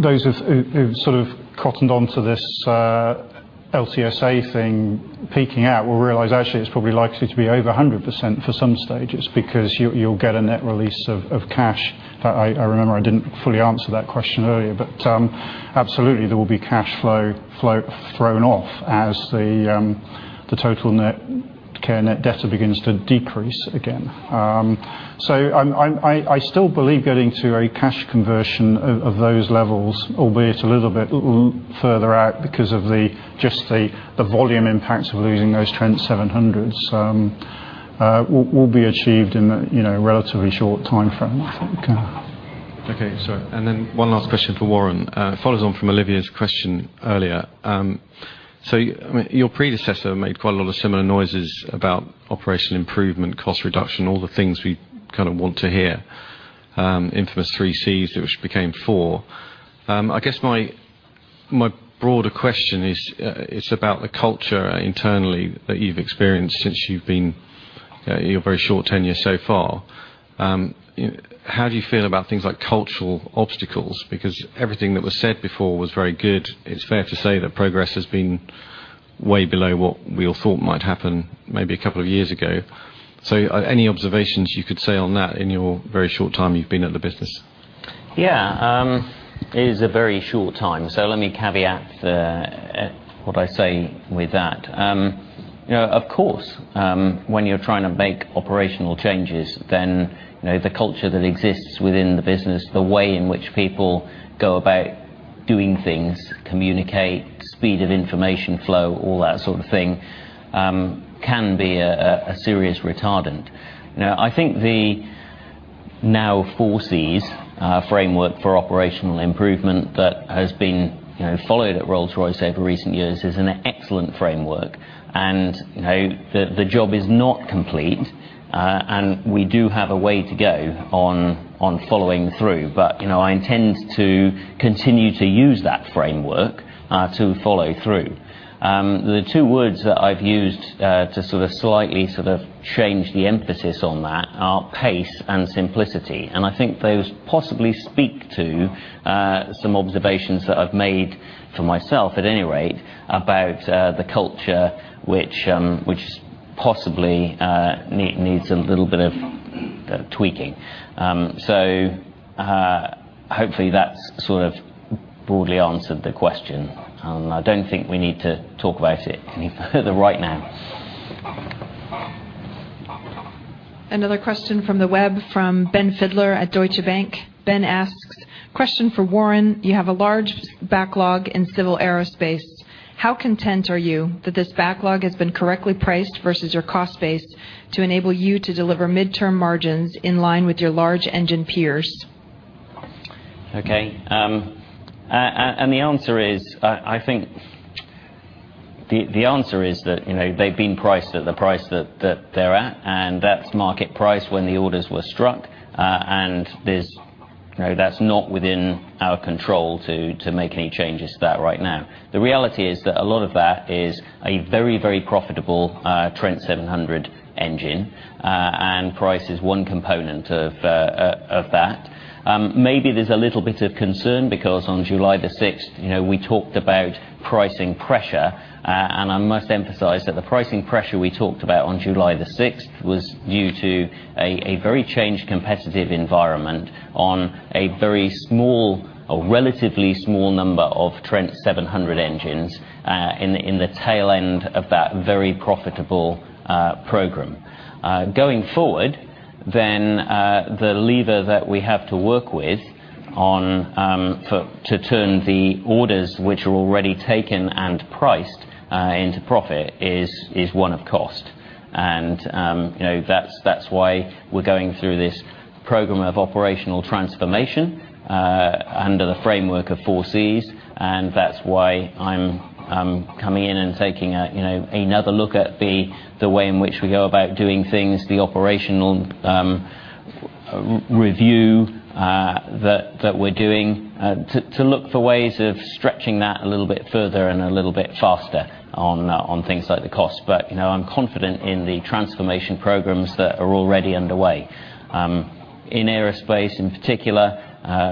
Those who've cottoned onto this LTSA thing peeking out will realize actually it's probably likely to be over 100% for some stages because you'll get a net release of cash. I remember I didn't fully answer that question earlier. Absolutely there will be cash flow thrown off as the total net debt begins to decrease again. I still believe getting to a cash conversion of those levels, albeit a little bit further out because of just the volume impacts of losing those Trent 700s, will be achieved in a relatively short timeframe, I think. Okay. One last question for Warren. It follows on from Olivier's question earlier. Your predecessor made quite a lot of similar noises about operational improvement, cost reduction, all the things we kind of want to hear. Infamous three Cs, which became Four. I guess my broader question is about the culture internally that you've experienced since you've been in your very short tenure so far. How do you feel about things like cultural obstacles? Everything that was said before was very good. It's fair to say that progress has been way below what we all thought might happen maybe a couple of years ago. Any observations you could say on that in your very short time you've been at the business? Yeah. It is a very short time. Let me caveat what I say with that. Of course, when you're trying to make operational changes, the culture that exists within the business, the way in which people go about doing things, communicate, speed of information flow, all that sort of thing, can be a serious retardant. I think the now Four Cs framework for operational improvement that has been followed at Rolls-Royce over recent years is an excellent framework. The job is not complete, and we do have a way to go on following through. I intend to continue to use that framework to follow through. The two words that I've used to sort of slightly change the emphasis on that are pace and simplicity. I think those possibly speak to some observations that I've made for myself, at any rate, about the culture, which possibly needs a little bit of tweaking. Hopefully that's sort of broadly answered the question. I don't think we need to talk about it right now. Another question from the web, from Ben Fidler at Deutsche Bank. Ben asks, question for Warren: You have a large backlog in Civil Aerospace. How content are you that this backlog has been correctly priced versus your cost base to enable you to deliver midterm margins in line with your large engine peers? Okay. I think the answer is that they've been priced at the price that they're at, that's market price when the orders were struck, that's not within our control to make any changes to that right now. The reality is that a lot of that is a very, very profitable Trent 700 engine, price is one component of that. Maybe there's a little bit of concern because on July the 6th, we talked about pricing pressure. I must emphasize that the pricing pressure we talked about on July the 6th was due to a very changed competitive environment on a very small, or relatively small number of Trent 700 engines, in the tail end of that very profitable program. Going forward, the lever that we have to work with to turn the orders which are already taken and priced into profit is one of cost. That's why we're going through this program of operational transformation under the framework of Four Cs, that's why I'm coming in and taking another look at the way in which we go about doing things, the operational review that we're doing, to look for ways of stretching that a little bit further and a little bit faster on things like the cost. I'm confident in the transformation programs that are already underway. In aerospace in particular,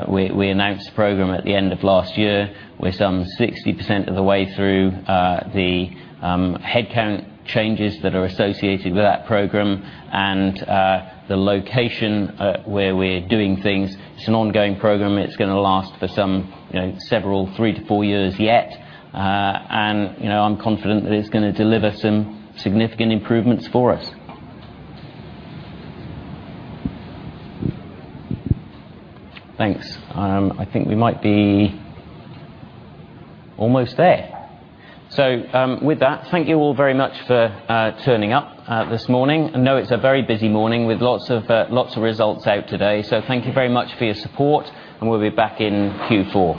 we announced a program at the end of last year. We're some 60% of the way through the headcount changes that are associated with that program and the location where we're doing things. It's an ongoing program. It's going to last for some several, three to four years yet. I'm confident that it's going to deliver some significant improvements for us. Thanks. I think we might be almost there. With that, thank you all very much for turning up this morning. I know it's a very busy morning with lots of results out today. Thank you very much for your support, and we'll be back in Q4.